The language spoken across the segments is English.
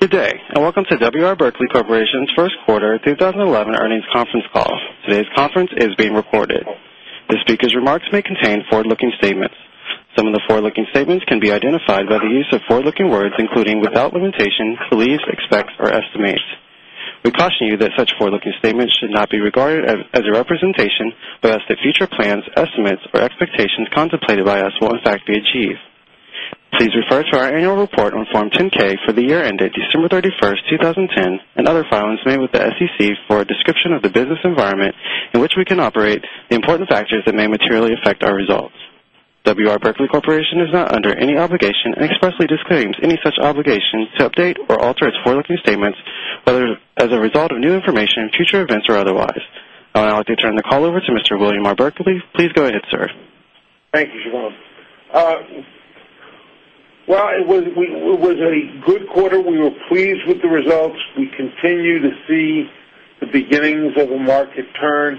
Good day, welcome to W. R. Berkley Corporation's first quarter 2011 earnings conference call. Today's conference is being recorded. The speakers' remarks may contain forward-looking statements. Some of the forward-looking statements can be identified by the use of forward-looking words, including, without limitation, believes, expects, or estimates. We caution you that such forward-looking statements should not be regarded as a representation, but as the future plans, estimates, or expectations contemplated by us will in fact be achieved. Please refer to our annual report on Form 10-K for the year ended December 31st, 2010, and other filings made with the SEC for a description of the business environment in which we can operate, the important factors that may materially affect our results. W. R. Berkley Corporation is not under any obligation and expressly disclaims any such obligation to update or alter its forward-looking statements, whether as a result of new information, future events, or otherwise. I would now like to turn the call over to Mr. William R. Berkley. Please go ahead, sir. Thank you, Sean. Well, it was a good quarter. We were pleased with the results. We continue to see the beginnings of a market turn.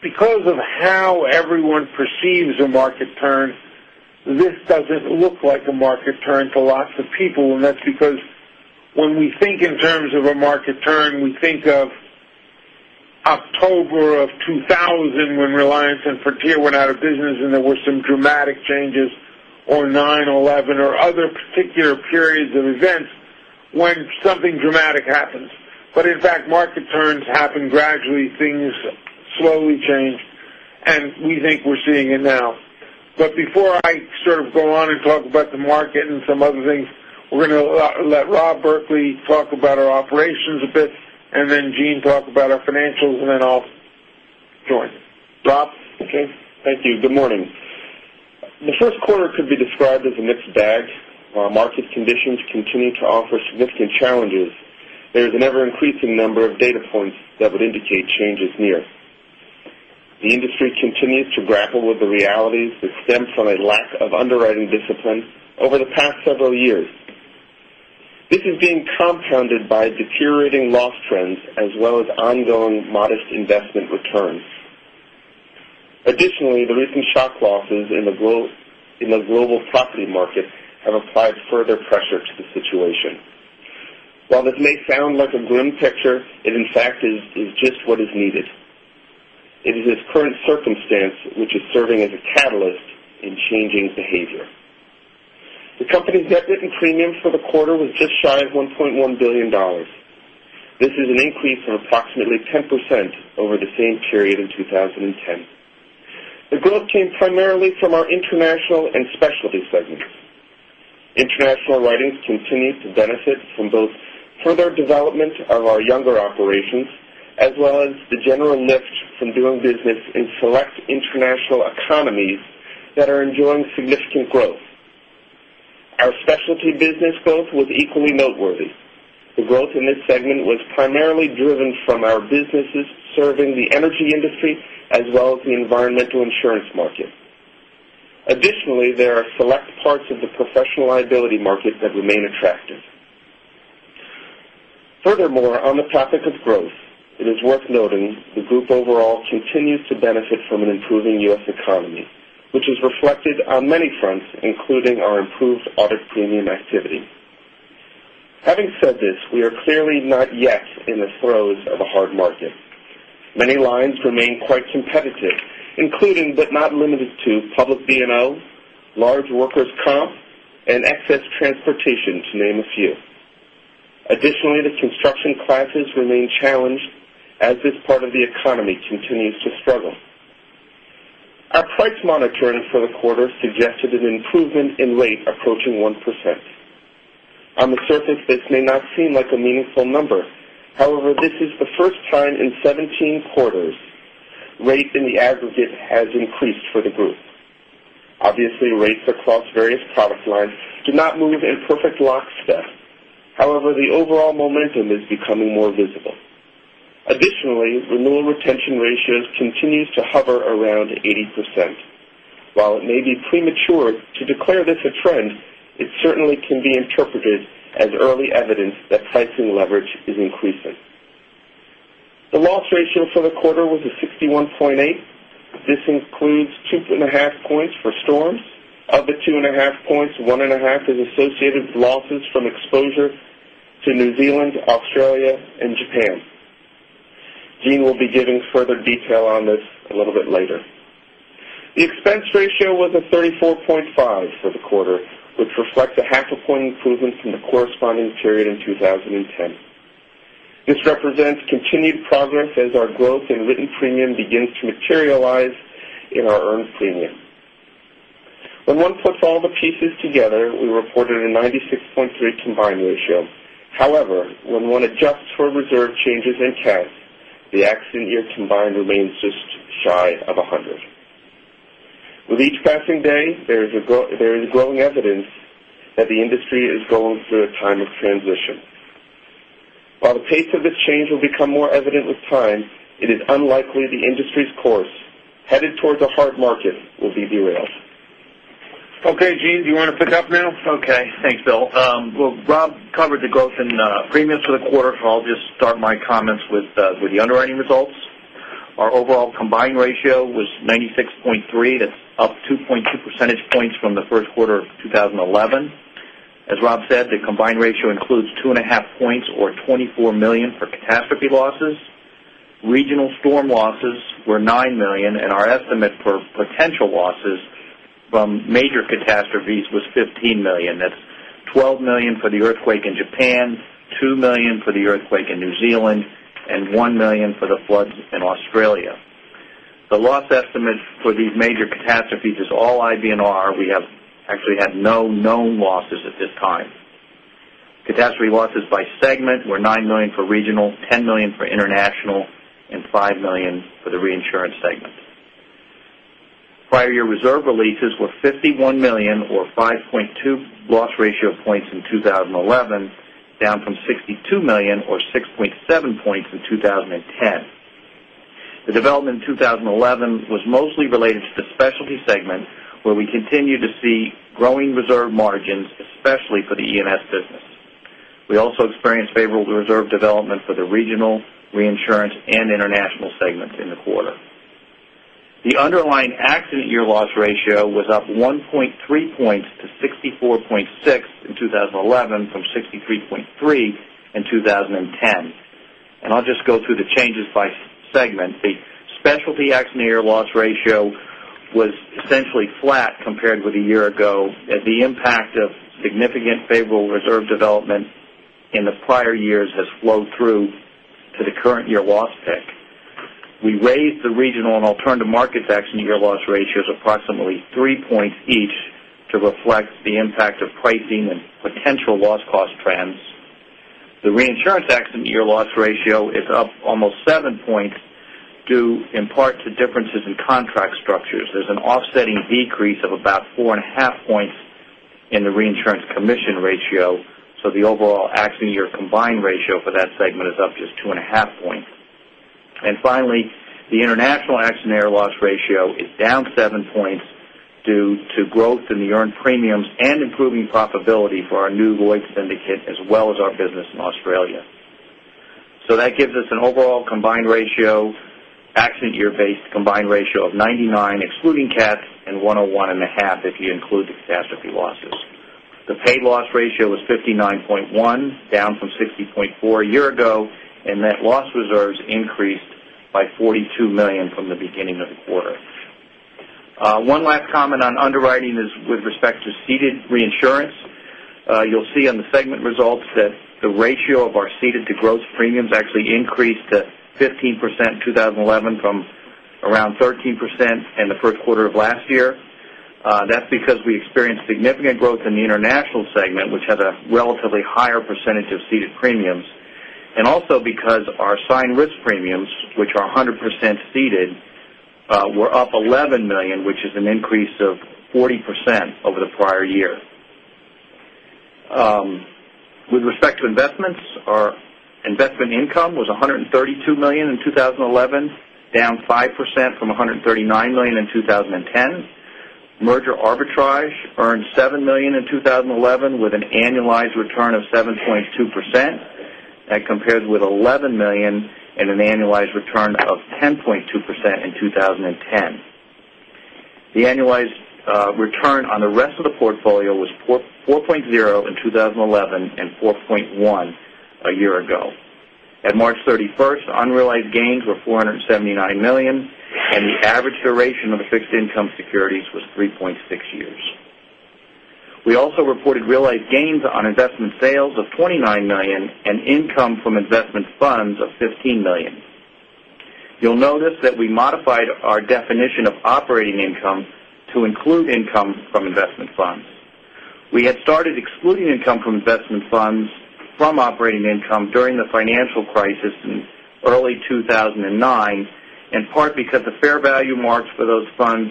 Because of how everyone perceives a market turn, this doesn't look like a market turn to lots of people. That's because when we think in terms of a market turn, we think of October 2000 when Reliance and Frontier went out of business and there were some dramatic changes, or 9/11, or other particular periods of events when something dramatic happens. In fact, market turns happen gradually. Things slowly change. We think we're seeing it now. Before I sort of go on and talk about the market and some other things, we're going to let Rob Berkley talk about our operations a bit. Then Gene talk about our financials. Then I'll join. Rob? Okay. Thank you. Good morning. The first quarter could be described as a mixed bag. While market conditions continue to offer significant challenges, there is an ever-increasing number of data points that would indicate change is near. The industry continues to grapple with the realities that stem from a lack of underwriting discipline over the past several years. This is being compounded by deteriorating loss trends as well as ongoing modest investment returns. Additionally, the recent shock losses in the global property market have applied further pressure to the situation. While this may sound like a grim picture, it in fact is just what is needed. It is this current circumstance which is serving as a catalyst in changing behavior. The company's net written premium for the quarter was just shy of $1.1 billion. This is an increase of approximately 10% over the same period in 2010. The growth came primarily from our international and specialty segments. International writings continue to benefit from both further development of our younger operations as well as the general lift from doing business in select international economies that are enjoying significant growth. Our specialty business growth was equally noteworthy. The growth in this segment was primarily driven from our businesses serving the energy industry as well as the environmental insurance market. Additionally, there are select parts of the professional liability market that remain attractive. On the topic of growth, it is worth noting the group overall continues to benefit from an improving U.S. economy, which is reflected on many fronts, including our improved audit premium activity. Having said this, we are clearly not yet in the throes of a hard market. Many lines remain quite competitive, including, but not limited to, public D&O, large workers' comp, and excess transportation, to name a few. Additionally, the construction classes remain challenged as this part of the economy continues to struggle. Our price monitoring for the quarter suggested an improvement in rate approaching 1%. On the surface, this may not seem like a meaningful number. However, this is the first time in 17 quarters rate in the aggregate has increased for the group. Obviously, rates across various product lines do not move in perfect lockstep. However, the overall momentum is becoming more visible. Additionally, renewal retention ratios continues to hover around 80%. While it may be premature to declare this a trend, it certainly can be interpreted as early evidence that pricing leverage is increasing. The loss ratio for the quarter was a 61.8%. This includes 2.5 points for storms. Of the 2.5 points, 1.5 is associated with losses from exposure to New Zealand, Australia, and Japan. Gene will be giving further detail on this a little bit later. The expense ratio was a 34.5% for the quarter, which reflects a 0.5 point improvement from the corresponding period in 2010. This represents continued progress as our growth in written premium begins to materialize in our earned premium. When one puts all the pieces together, we reported a 96.3% combined ratio. However, when one adjusts for reserve changes and CAT, the accident year combined remains just shy of 100%. With each passing day, there is growing evidence that the industry is going through a time of transition. While the pace of this change will become more evident with time, it is unlikely the industry's course, headed towards a hard market, will be derailed. Okay. Gene, do you want to pick up now? Okay. Thanks, Bill. Rob covered the growth in premiums for the quarter. I'll just start my comments with the underwriting results. Our overall combined ratio was 96.3. That's up 2.2 percentage points from the first quarter of 2011. As Rob said, the combined ratio includes two and a half points or $24 million for catastrophe losses. Regional storm losses were $9 million and our estimate for potential losses from major catastrophes was $15 million. That's $12 million for the earthquake in Japan, $2 million for the earthquake in New Zealand, and $1 million for the floods in Australia. The loss estimate for these major catastrophes is all IBNR. We have actually had no known losses at this time. Catastrophe losses by segment were $9 million for regional, $10 million for international, and $5 million for the reinsurance segment. Prior year reserve releases were $51 million or 5.2 loss ratio points in 2011, down from $62 million or 6.7 points in 2010. The development in 2011 was mostly related to the specialty segment, where we continue to see growing reserve margins, especially for the E&S business. We also experienced favorable reserve development for the regional, reinsurance, and international segments in the quarter. The underlying accident year loss ratio was up 1.3 points to 64.6 in 2011 from 63.3 in 2010. I'll just go through the changes by segment. The specialty accident year loss ratio was essentially flat compared with a year ago as the impact of significant favorable reserve development in the prior years has flowed through to the current year loss pick. We raised the regional and alternative markets accident year loss ratios approximately three points each to reflect the impact of pricing and potential loss cost trends. The reinsurance accident year loss ratio is up almost seven points due in part to differences in contract structures. There's an offsetting decrease of about four and a half points in the reinsurance commission ratio, the overall accident year combined ratio for that segment is up just two and a half points. Finally, the international accident year loss ratio is down seven points due to growth in the earned premiums and improving profitability for our new Lloyd's syndicate, as well as our business in Australia. That gives us an overall combined ratio, accident year-based combined ratio of 99 excluding cat and 101.5 if you include the catastrophe losses. The paid loss ratio was 59.1, down from 60.4 a year ago, and net loss reserves increased by $42 million from the beginning of the quarter. One last comment on underwriting is with respect to ceded reinsurance. You'll see on the segment results that the ratio of our ceded to gross premiums actually increased to 15% in 2011 from around 13% in the first quarter of last year. That's because we experienced significant growth in the international segment, which had a relatively higher percentage of ceded premiums. Also because our signed risk premiums, which are 100% ceded, were up $11 million, which is an increase of 40% over the prior year. With respect to investments, our investment income was $132 million in 2011, down 5% from $139 million in 2010. Merger arbitrage earned $7 million in 2011 with an annualized return of 7.2%. That compares with $11 million and an annualized return of 10.2% in 2010. The annualized return on the rest of the portfolio was 4.0 in 2011 and 4.1 a year ago. At March 31st, unrealized gains were $479 million, and the average duration of the fixed income securities was 3.6 years. We also reported realized gains on investment sales of $29 million and income from investment funds of $15 million. You'll notice that we modified our definition of operating income to include income from investment funds. We had started excluding income from investment funds from operating income during the financial crisis in early 2009, in part because the fair value marks for those funds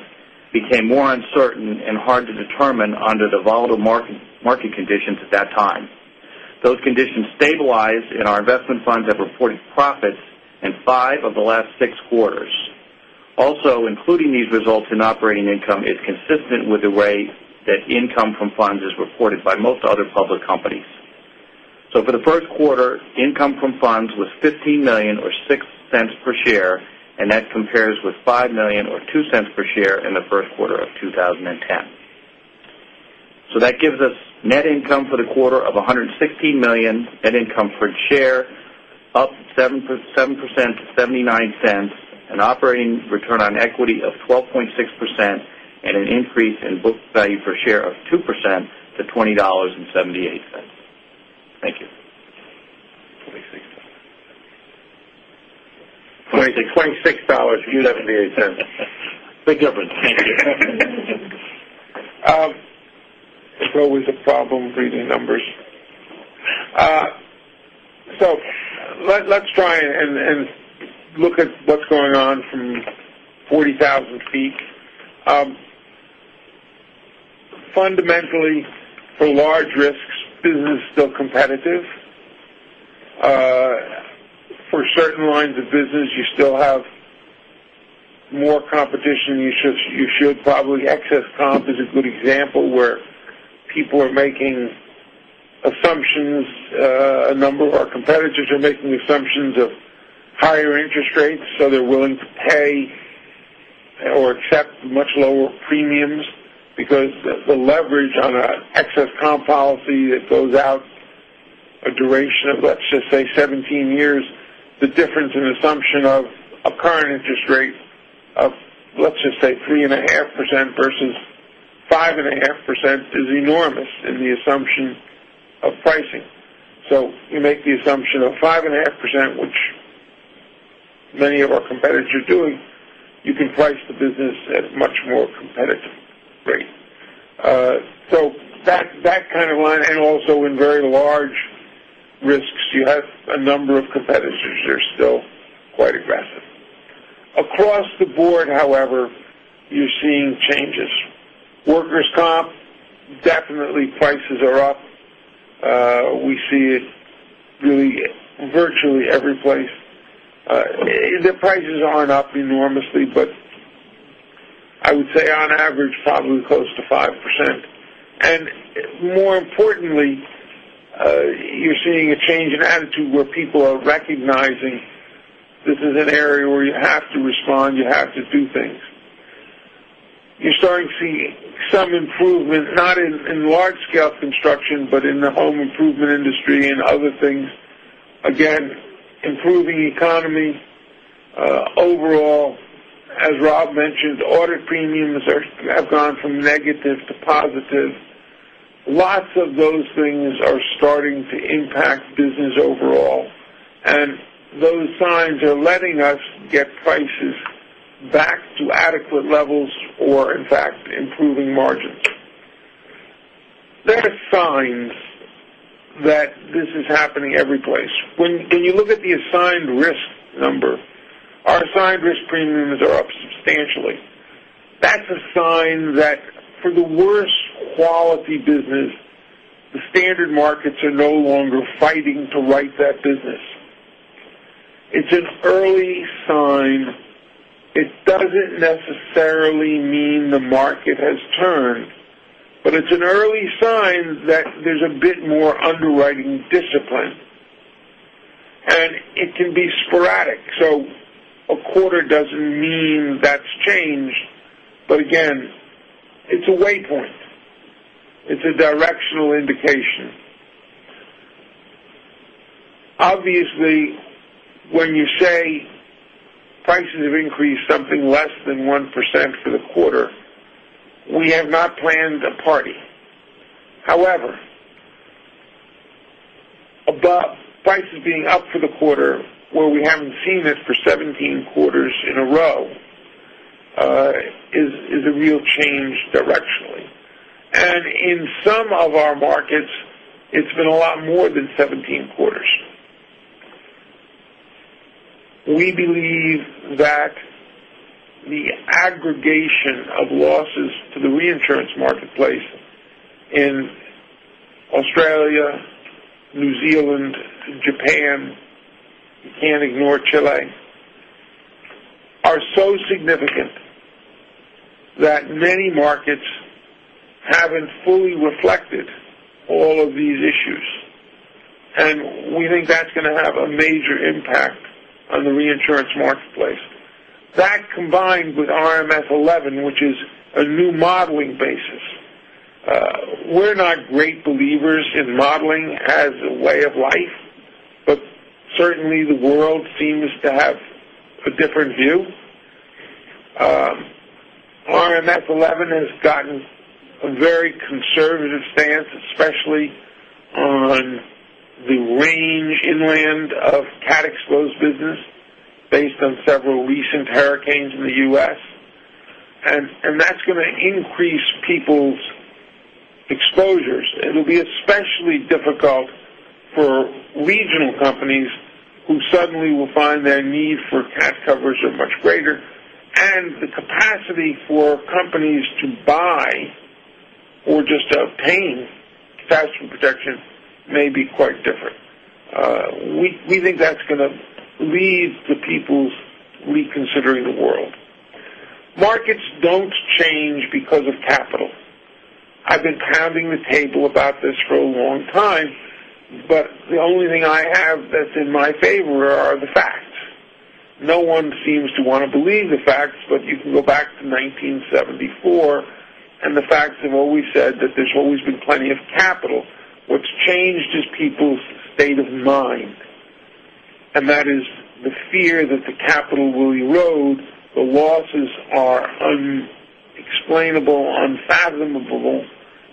became more uncertain and hard to determine under the volatile market conditions at that time. Those conditions stabilized. Our investment funds have reported profits in five of the last six quarters. Including these results in operating income is consistent with the way that income from funds is reported by most other public companies. For the first quarter, income from funds was $15 million or $0.06 per share. That compares with $5 million or $0.02 per share in the first quarter of 2010. That gives us net income for the quarter of $116 million, net income per share up 7% to $0.79, an operating return on equity of 12.6%, and an increase in book value per share of 2% to $20.78. Thank you. $26. $26.78. Big difference. Thank you. It's always a problem reading numbers. Let's try and look at what's going on from 40,000 feet. Fundamentally, for large risks, business is still competitive. For certain lines of business, you still have more competition than you should probably. excess comp is a good example where people are making assumptions. A number of our competitors are making assumptions of higher interest rates, so they're willing to pay or accept much lower premiums because the leverage on an excess comp policy that goes out a duration of, let's just say 17 years, the difference in assumption of a current interest rate of, let's just say 3.5% versus 5.5% is enormous in the assumption of pricing. You make the assumption of 5.5%, which many of our competitors are doing, you can price the business at a much more competitive rate. That kind of line, and also in very large risks, you have a number of competitors that are still quite aggressive. Across the board, however, you're seeing changes. Workers' comp, definitely prices are up. We see it really virtually every place. The prices aren't up enormously, but I would say on average, probably close to 5%. More importantly, you're seeing a change in attitude where people are recognizing this is an area where you have to respond, you have to do things. You're starting to see some improvement, not in large-scale construction, but in the home improvement industry and other things. Again, improving economy overall. As Rob mentioned, audit premiums have gone from negative to positive. Lots of those things are starting to impact business overall, and those signs are letting us get prices back to adequate levels or, in fact, improving margins. There are signs that this is happening every place. When you look at the assigned risk number, our assigned risk premiums are up substantially. That's a sign that for the worst quality business, the standard markets are no longer fighting to write that business. It's an early sign. It doesn't necessarily mean the market has turned, but it's an early sign that there's a bit more underwriting discipline. It can be sporadic. A quarter doesn't mean that's changed. Again, it's a waypoint. It's a directional indication. Obviously, when you say prices have increased something less than 1% for the quarter, we have not planned a party. However, prices being up for the quarter where we haven't seen this for 17 quarters in a row, is a real change directionally. In some of our markets, it's been a lot more than 17 quarters. We believe that the aggregation of losses to the reinsurance marketplace in Australia, New Zealand, Japan, you can't ignore Chile, are so significant that many markets haven't fully reflected all of these issues. We think that's going to have a major impact on the reinsurance marketplace. That combined with RMS 11, which is a new modeling basis. We're not great believers in modeling as a way of life, but certainly the world seems to have a different view. RMS 11 has gotten a very conservative stance, especially on the range inland of CAT exposed business based on several recent hurricanes in the U.S., that's going to increase people's exposures. It'll be especially difficult for regional companies who suddenly will find their need for CAT coverage are much greater and the capacity for companies to buy or just obtain catastrophe protection may be quite different. We think that's going to leave the people reconsidering the world. Markets don't change because of capital. I've been pounding the table about this for a long time, but the only thing I have that's in my favor are the facts. No one seems to want to believe the facts, but you can go back to 1974, and the facts have always said that there's always been plenty of capital. What's changed is people's state of mind, and that is the fear that the capital will erode. The losses are unexplainable, unfathomable,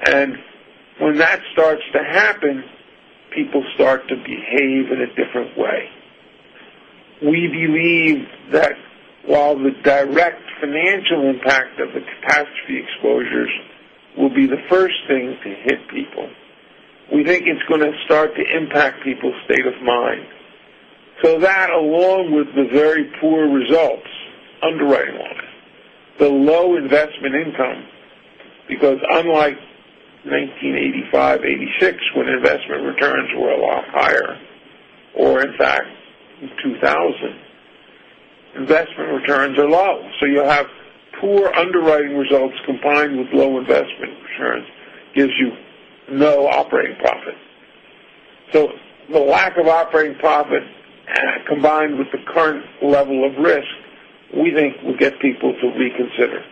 and when that starts to happen, people start to behave in a different way. We believe that while the direct financial impact of the catastrophe exposures will be the first thing to hit people, we think it's going to start to impact people's state of mind. That, along with the very poor results underwriting-wise, the low investment income, because unlike 1985, 1986, when investment returns were a lot higher, or in fact, 2000. Investment returns are low. You have poor underwriting results combined with low investment returns gives you no operating profit. The lack of operating profit combined with the current level of risk, we think will get people to reconsider.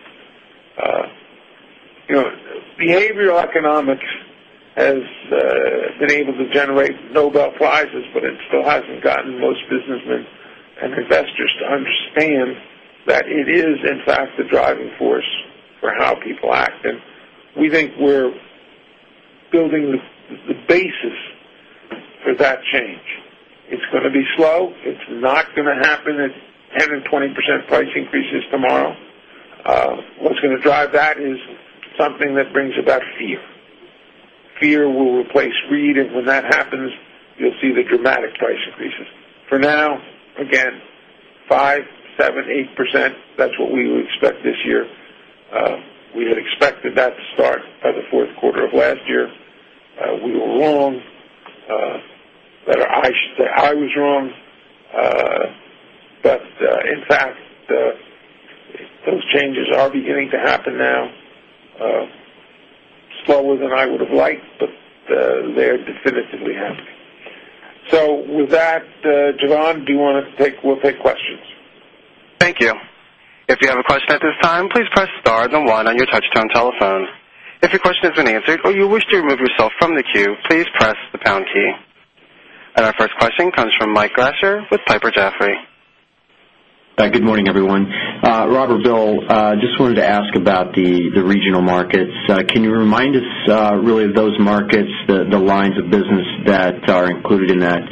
Behavioral economics has been able to generate Nobel prizes, but it still hasn't gotten most businessmen and investors to understand that it is, in fact, the driving force for how people act. We think we're building the basis for that change. It's going to be slow. It's not going to happen at 10% and 20% price increases tomorrow. What's going to drive that is something that brings about fear. Fear will replace greed. When that happens, you'll see the dramatic price increases. For now, again, 5%, 7%, 8%, that's what we would expect this year. We had expected that to start by the fourth quarter of last year. We were wrong. Better I should say I was wrong. In fact, those changes are beginning to happen now. Slower than I would've liked, but they're definitively happening. With that, Jovan, we'll take questions. Thank you. If you have a question at this time, please press star then one on your touchtone telephone. If your question has been answered or you wish to remove yourself from the queue, please press the pound key. Our first question comes from Mike Grasher with Piper Jaffray. Good morning, everyone. Rob or Bill, just wanted to ask about the regional markets. Can you remind us really of those markets, the lines of business that are included in that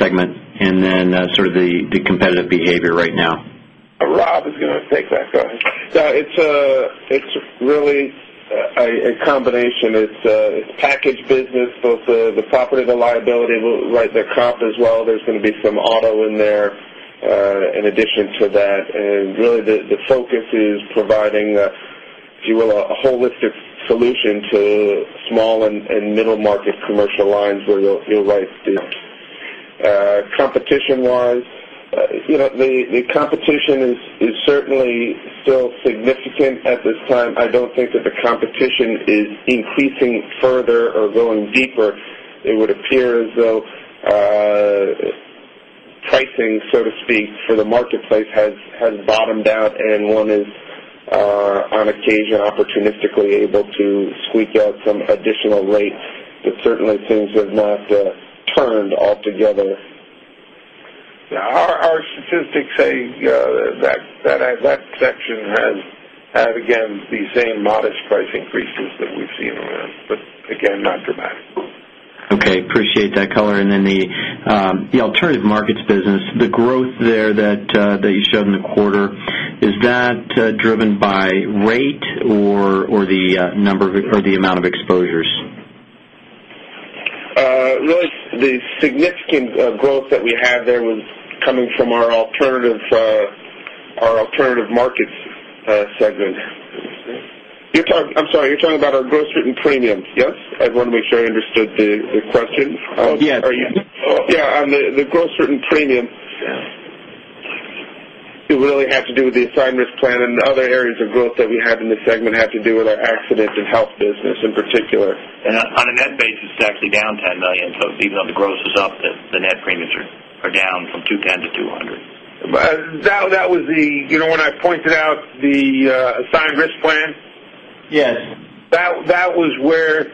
segment, and then sort of the competitive behavior right now? Rob is going to take that. Go ahead. It's really a combination. It's packaged business, both the property, the liability, their comp as well. There's going to be some auto in there in addition to that. Really the focus is providing, if you will, a holistic solution to small and middle market commercial lines where you'll write the Competition-wise, the competition is certainly still significant at this time. I don't think that the competition is increasing further or going deeper. It would appear as though pricing, so to speak, for the marketplace has bottomed out, and one is on occasion opportunistically able to squeak out some additional rates. Certainly things have not turned altogether. Our statistics say that section has had, again, the same modest price increases that we've seen around. Again, not dramatic. Okay. Appreciate that color. The alternative markets business, the growth there that you showed in the quarter, is that driven by rate or the amount of exposures? Really, the significant growth that we had there was coming from our alternative markets segment. I'm sorry, you're talking about our gross written premiums, yes? I want to make sure I understood the question. Yes. Yeah, on the gross written premium, it really had to do with the assigned risk plan and other areas of growth that we had in the segment had to do with our accident and health business in particular. On a net basis, it's actually down $10 million. Even though the gross is up, the net premiums are down from $210 to $200. When I pointed out the assigned risk plan. Yes. That was where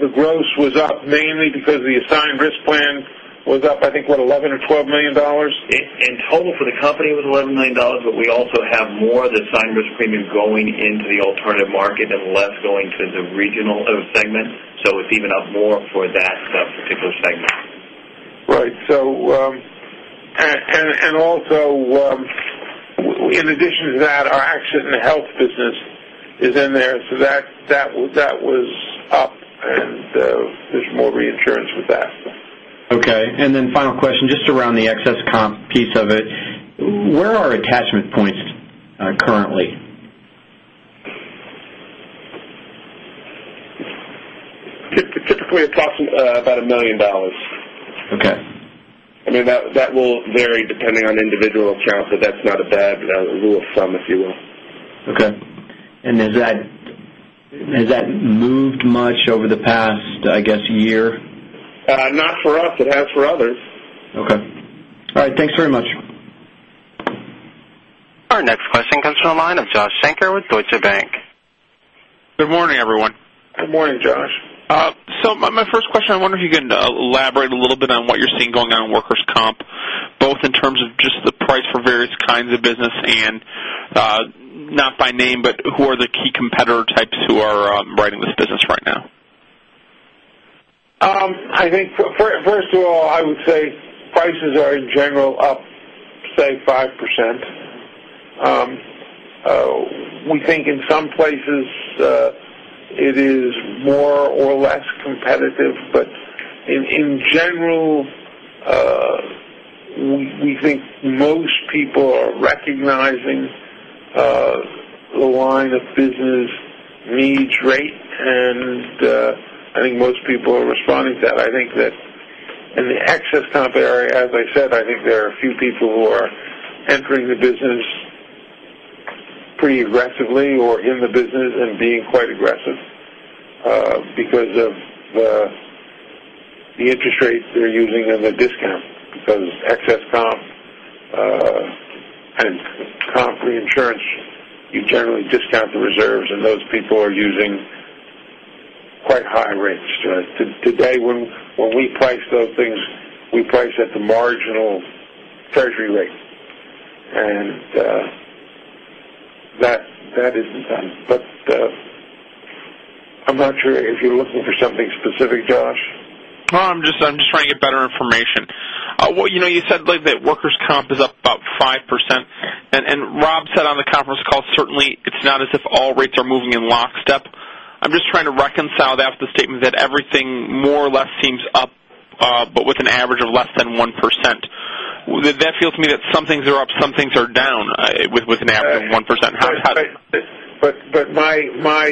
the gross was up, mainly because the assigned risk plan was up, I think, what, $11 million or $12 million? In total for the company, it was $11 million, but we also have more of the assigned risk premium going into the alternative market and less going to the regional segment. It's even up more for that particular segment. Right. Also, in addition to that, our accident and health business is in there. That was up, and there's more reinsurance with that. Okay. Then final question, just around the excess comp piece of it. Where are attachment points currently? Typically across about $1 million. Okay. That will vary depending on individual accounts, that's not a bad rule of thumb, if you will. Okay. Has that moved much over the past, I guess, year? Not for us. It has for others. Okay. All right. Thanks very much. Our next question comes from the line of Joshua Shanker with Deutsche Bank. Good morning, everyone. Good morning, Josh. My first question, I wonder if you can elaborate a little bit on what you're seeing going on in workers' comp, both in terms of just the price for various kinds of business and, not by name, but who are the key competitor types who are writing this business right now? First of all, I would say prices are in general up, say 5%. We think in some places it is more or less competitive, but in general, we think most people are recognizing the line of business needs rate, and I think most people are responding to that. I think that in the excess comp area, as I said, I think there are a few people who are entering the business pretty aggressively or are in the business and being quite aggressive because of the interest rates they're using and the discount because excess comp and comp reinsurance, you generally discount the reserves, and those people are using quite high rates. Today, when we price those things, we price at the marginal treasury rate. That isn't done. I'm not sure if you're looking for something specific, Josh. No, I'm just trying to get better information. You said that workers' comp is up about 5%. Rob said on the conference call, certainly it's not as if all rates are moving in lockstep. I'm just trying to reconcile that with the statement that everything more or less seems up, but with an average of less than 1%. That feels to me that some things are up, some things are down with an average of 1%. My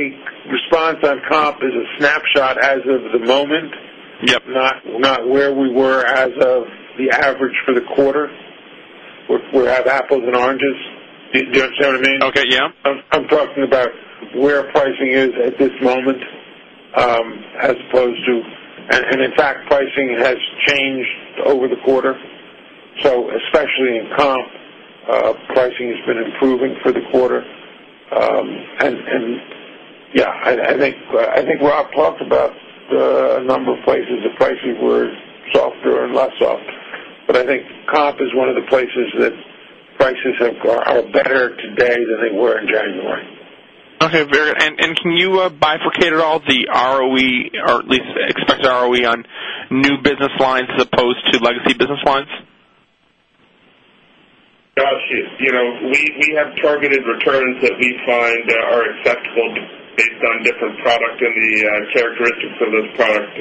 response on comp is a snapshot as of the moment. Yep. Not where we were as of the average for the quarter. We have apples and oranges. Do you understand what I mean? Okay. Yeah. I'm talking about where pricing is at this moment. In fact, pricing has changed over the quarter. Especially in comp, pricing has been improving for the quarter. Yeah, I think Rob talked about the number of places that pricing were softer and less soft. I think comp is one of the places that prices are better today than they were in January. Okay. Can you bifurcate at all the ROE or at least expect ROE on new business lines as opposed to legacy business lines? Josh, we have targeted returns that we find are acceptable based on different product and the characteristics of those products.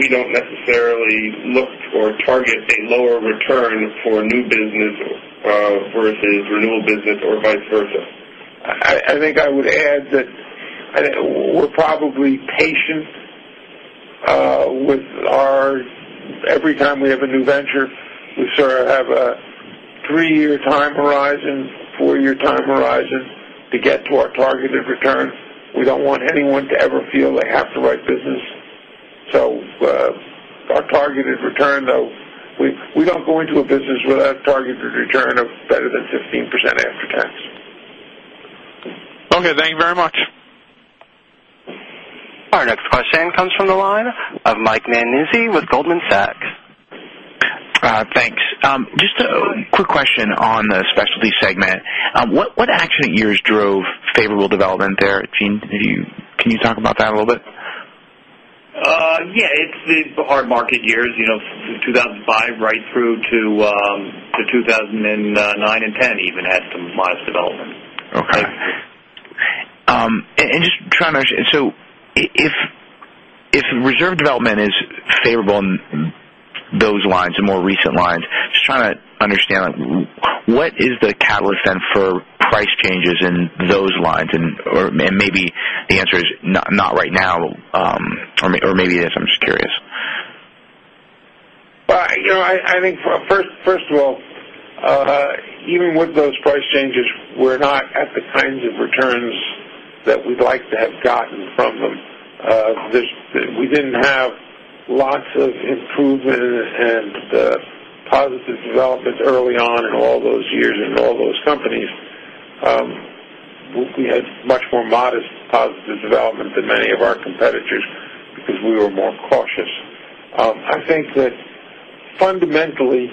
We don't necessarily look for target a lower return for new business versus renewal business or vice versa. I think I would add that we're probably patient. Every time we have a new venture, we sort of have a three-year time horizon, four-year time horizon to get to our targeted return. We don't want anyone to ever feel they have the right business. Our targeted return, though, we don't go into a business without targeted return of better than 15% after tax. Okay, thank you very much. Our next question comes from the line of Michael Nannizzi with Goldman Sachs. Thanks. Just a quick question on the specialty segment. What accident years drove favorable development there, Gene? Can you talk about that a little bit? Yeah. It's the hard market years. 2005 right through to 2009 and 2010 even had some modest development. Okay. Just trying to understand. If reserve development is favorable in those lines and more recent lines, just trying to understand, what is the catalyst then for price changes in those lines? Maybe the answer is not right now, or maybe it is. I'm just curious. I think first of all, even with those price changes, we're not at the kinds of returns that we'd like to have gotten from them. We didn't have lots of improvement and positive developments early on in all those years in all those companies. We had much more modest positive development than many of our competitors because we were more cautious. I think that fundamentally,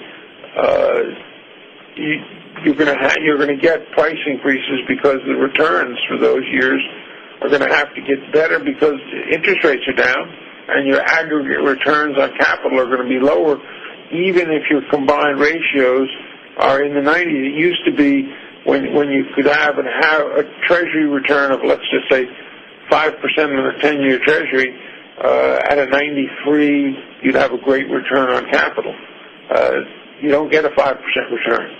you're going to get price increases because the returns for those years are going to have to get better because interest rates are down and your aggregate returns on capital are going to be lower, even if your combined ratios are in the 90s. It used to be when you could have a treasury return of, let's just say, 5% on a 10-year treasury at a 93, you'd have a great return on capital. You don't get a 5% return.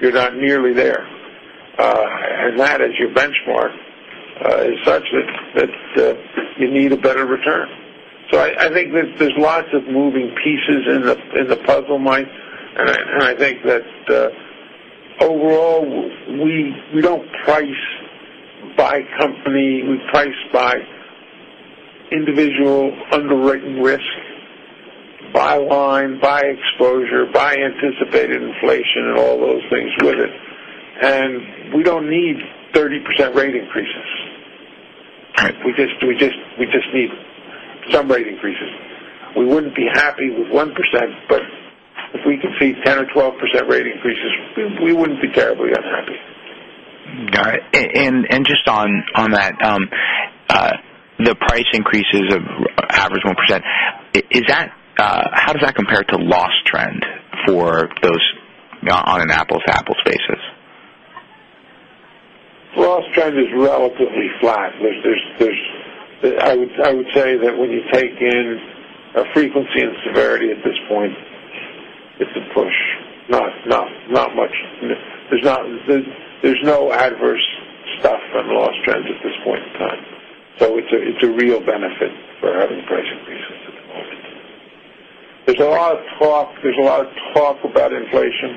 You're not nearly there. That as your benchmark is such that you need a better return. I think that there's lots of moving pieces in the puzzle, Mike. I think that overall, we don't price by company. We price by individual underwritten risk, by line, by exposure, by anticipated inflation, and all those things with it. We don't need 30% rate increases. Right. We just need some rate increases. We wouldn't be happy with 1%, but if we could see 10 or 12% rate increases, we wouldn't be terribly unhappy. Got it. Just on that, the price increases of average 1%, how does that compare to loss trend for those on an apples-to-apples basis? Loss trend is relatively flat. I would say that when you take in a frequency and severity at this point, it's a push. There's no adverse stuff on loss trends at this point in time. It's a real benefit for having pricing increases at the moment. There's a lot of talk about inflation,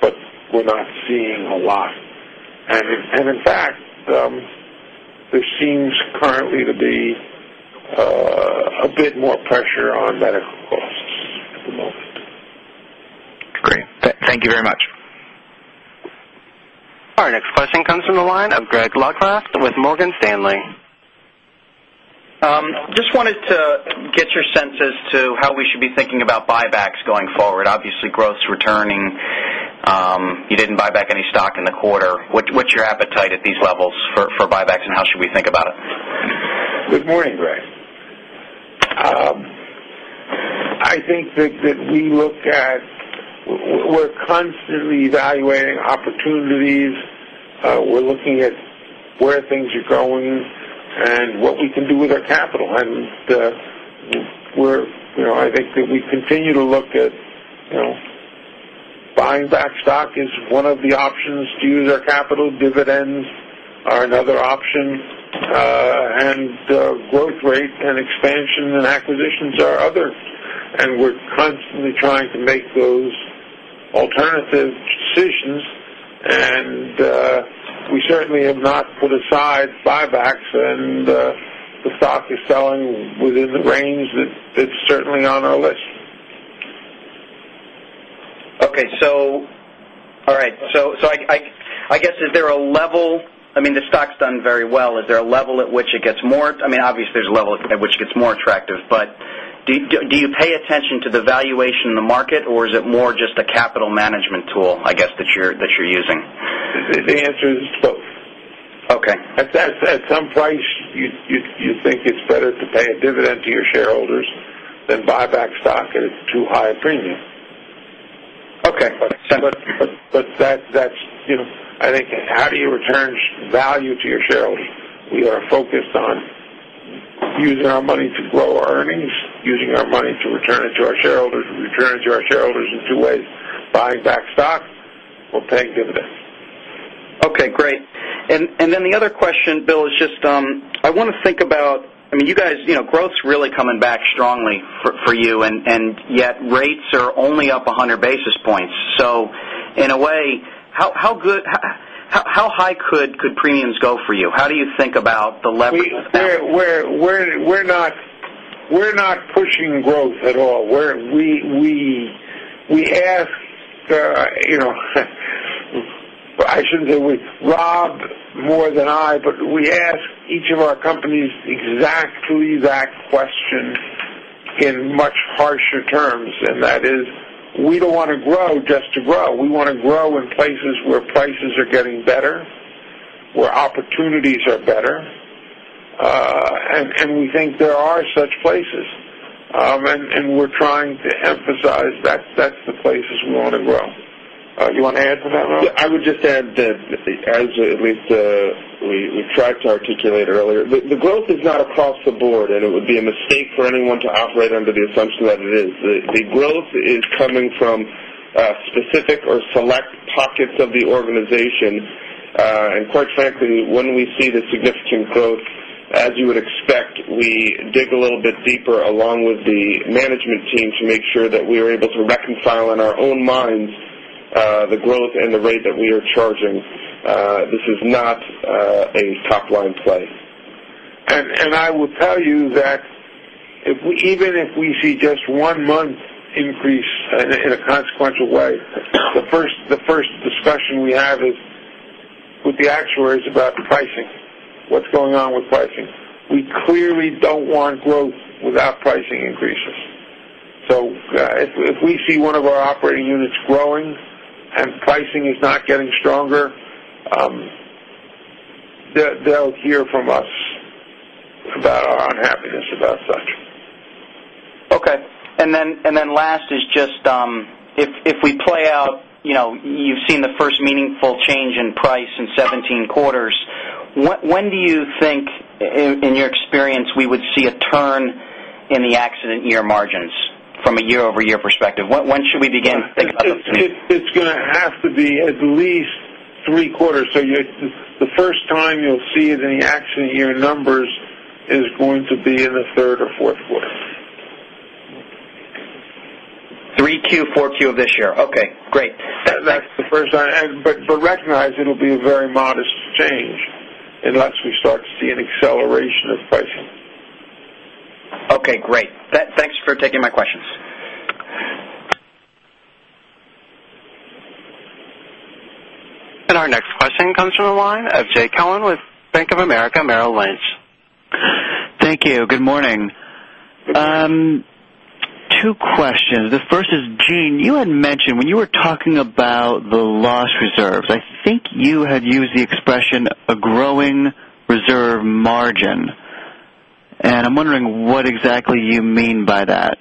but we're not seeing a lot. In fact, there seems currently to be a bit more pressure on medical costs at the moment. Great. Thank you very much. Our next question comes from the line of Greg Locraft with Morgan Stanley. Just wanted to get your sense as to how we should be thinking about buybacks going forward. Obviously, growth's returning. You didn't buy back any stock in the quarter. What's your appetite at these levels for buybacks, and how should we think about it? Good morning, Greg. I think that we're constantly evaluating opportunities. We're looking at where things are going and what we can do with our capital. I think that we continue to look at buying back stock is one of the options to use our capital. Dividends are another option. Growth rate and expansion and acquisitions are others. We're constantly trying to make those alternative decisions. We certainly have not put aside buybacks, and the stock is selling within the range that it's certainly on our list. Okay. I guess, the stock's done very well. Is there a level at which it gets more attractive, but do you pay attention to the valuation in the market, or is it more just a capital management tool, I guess, that you're using? The answer is both. Okay. At some price, you think it's better to pay a dividend to your shareholders than buy back stock at too high a premium. Okay. I think, how do you return value to your shareholders? We are focused on using our money to grow our earnings, using our money to return it to our shareholders. We return it to our shareholders in two ways. Buying back stock or paying dividends. Okay, great. The other question, Bill, is just, I want to think about growth's really coming back strongly for you, and yet rates are only up 100 basis points. In a way, how high could premiums go for you? How do you think about the leverage of that? We're not pushing growth at all. Rob more than I, we ask each of our companies the exact same question in much harsher terms. That is, we don't want to grow just to grow. We want to grow in places where prices are getting better, where opportunities are better, and we think there are such places. We're trying to emphasize that's the places we want to grow. You want to add to that, Rob? I would just add that as at least we tried to articulate earlier, the growth is not across the board, and it would be a mistake for anyone to operate under the assumption that it is. The growth is coming from specific or select pockets of the organization. Quite frankly, when we see the significant growth, as you would expect, we dig a little bit deeper along with the management team to make sure that we are able to reconcile in our own minds the growth and the rate that we are charging. This is not a top-line play. I will tell you that even if we see just one month increase in a consequential way, the first discussion we have is with the actuaries about pricing. What is going on with pricing? We clearly don't want growth without pricing increases. If we see one of our operating units growing and pricing is not getting stronger, they'll hear from us about our unhappiness about such. Okay. Last is just, if we play out, you've seen the first meaningful change in price in 17 quarters. When do you think, in your experience, we would see a turn in the accident year margins from a year-over-year perspective? When should we begin thinking about those numbers? It's going to have to be at least three quarters. The first time you'll see it in the accident year numbers is going to be in the third or fourth quarter. 3Q, 4Q of this year. Okay, great. That's the first time. Recognize it'll be a very modest change unless we start to see an acceleration of pricing. Okay, great. Thanks for taking my questions. Our next question comes from the line of Jay Cohen with Bank of America Merrill Lynch. Thank you. Good morning. Two questions. The first is, Gene, you had mentioned when you were talking about the loss reserves, I think you had used the expression "a growing reserve margin." I'm wondering what exactly you mean by that.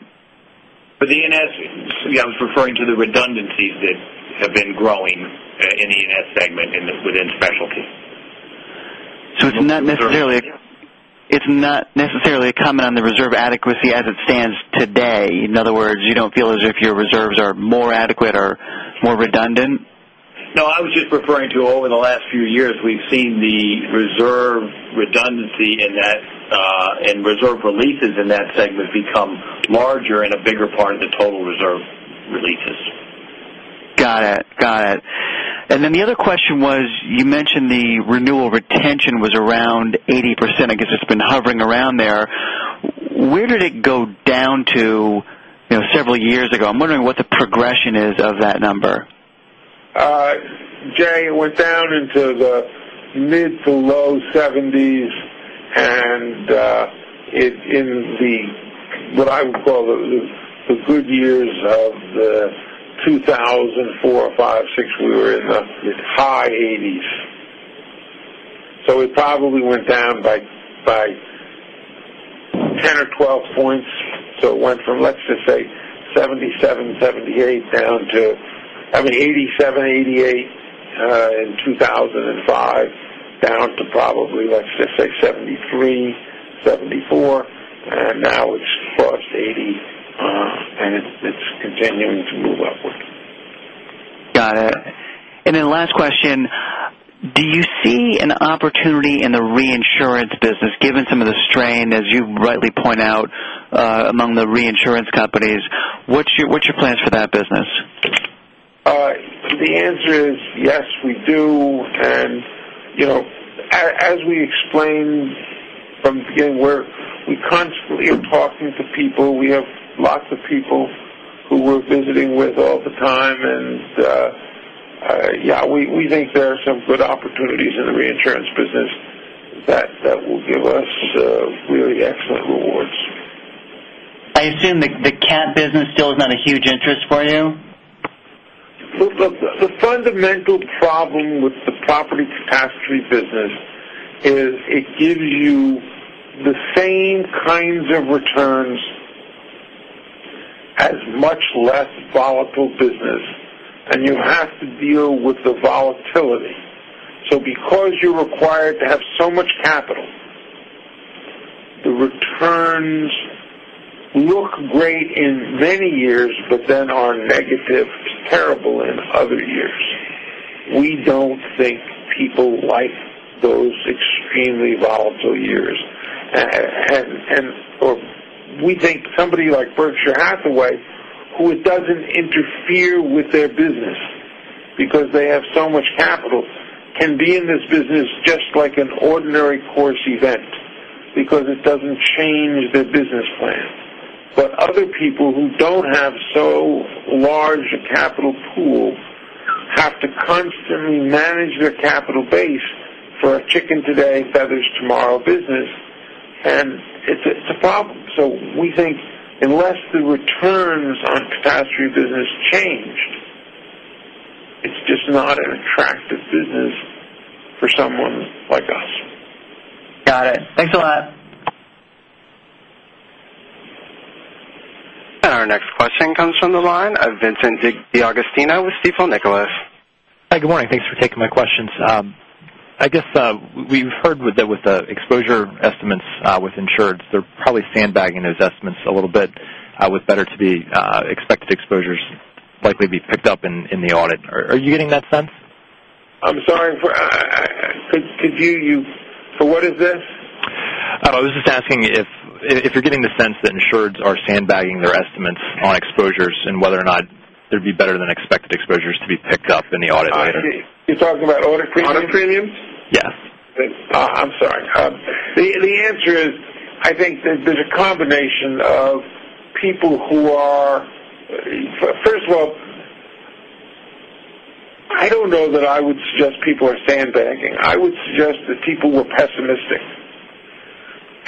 For the E&S, I was referring to the redundancies that have been growing in the E&S segment within specialty. It's not necessarily a comment on the reserve adequacy as it stands today. In other words, you don't feel as if your reserves are more adequate or more redundant? No, I was just referring to over the last few years, we've seen the reserve redundancy and reserve releases in that segment become larger and a bigger part of the total reserve releases. Got it. The other question was, you mentioned the renewal retention was around 80%. I guess it's been hovering around there. Where did it go down to several years ago? I'm wondering what the progression is of that number. Jay, it went down into the mid to low 70s, and in what I would call the good years of 2004, 2005, 2006, we were in the high 80s. It probably went down by 10 or 12 points. It went from, let's just say 77%, 78% down to having 87%, 88% in 2005, down to probably, let's just say 73%, 74%, and now it's crossed 80%, and it's continuing to move upward. Got it. Then last question, do you see an opportunity in the reinsurance business, given some of the strain, as you rightly point out, among the reinsurance companies? What's your plans for that business? The answer is yes, we do, and as we explained from the beginning, we constantly are talking to people. We have lots of people who we're visiting with all the time, and, yeah, we think there are some good opportunities in the reinsurance business that will give us really excellent rewards. I assume the CAT business still is not a huge interest for you. The fundamental problem with the property catastrophe business is it gives you the same kinds of returns as much less volatile business, you have to deal with the volatility. Because you're required to have so much capital, the returns look great in many years, then are negative, terrible in other years. We don't think people like those extremely volatile years. We think somebody like Berkshire Hathaway, who it doesn't interfere with their business because they have so much capital, can be in this business just like an ordinary course event because it doesn't change their business plan. Other people who don't have so large a capital pool have to constantly manage their capital base for a chicken today, feathers tomorrow business, it's a problem. We think unless the returns on catastrophe business change, it's just not an attractive business for someone like us. Got it. Thanks a lot. Our next question comes from the line of Vincent D'Agostino with Stifel Nicolaus. Hi, good morning. Thanks for taking my questions. I guess we've heard that with the exposure estimates with insureds, they're probably sandbagging those estimates a little bit with better to be expected exposures likely be picked up in the audit. Are you getting that sense? I'm sorry. For what is this? I was just asking if you're getting the sense that insureds are sandbagging their estimates on exposures and whether or not it'd be better-than-expected exposures to be picked up in the audit later. I see. You're talking about audit premiums? Audit premiums. Yeah. I'm sorry. The answer is, I think there's a combination of people. First of all, I don't know that I would suggest people are sandbagging. I would suggest that people were pessimistic,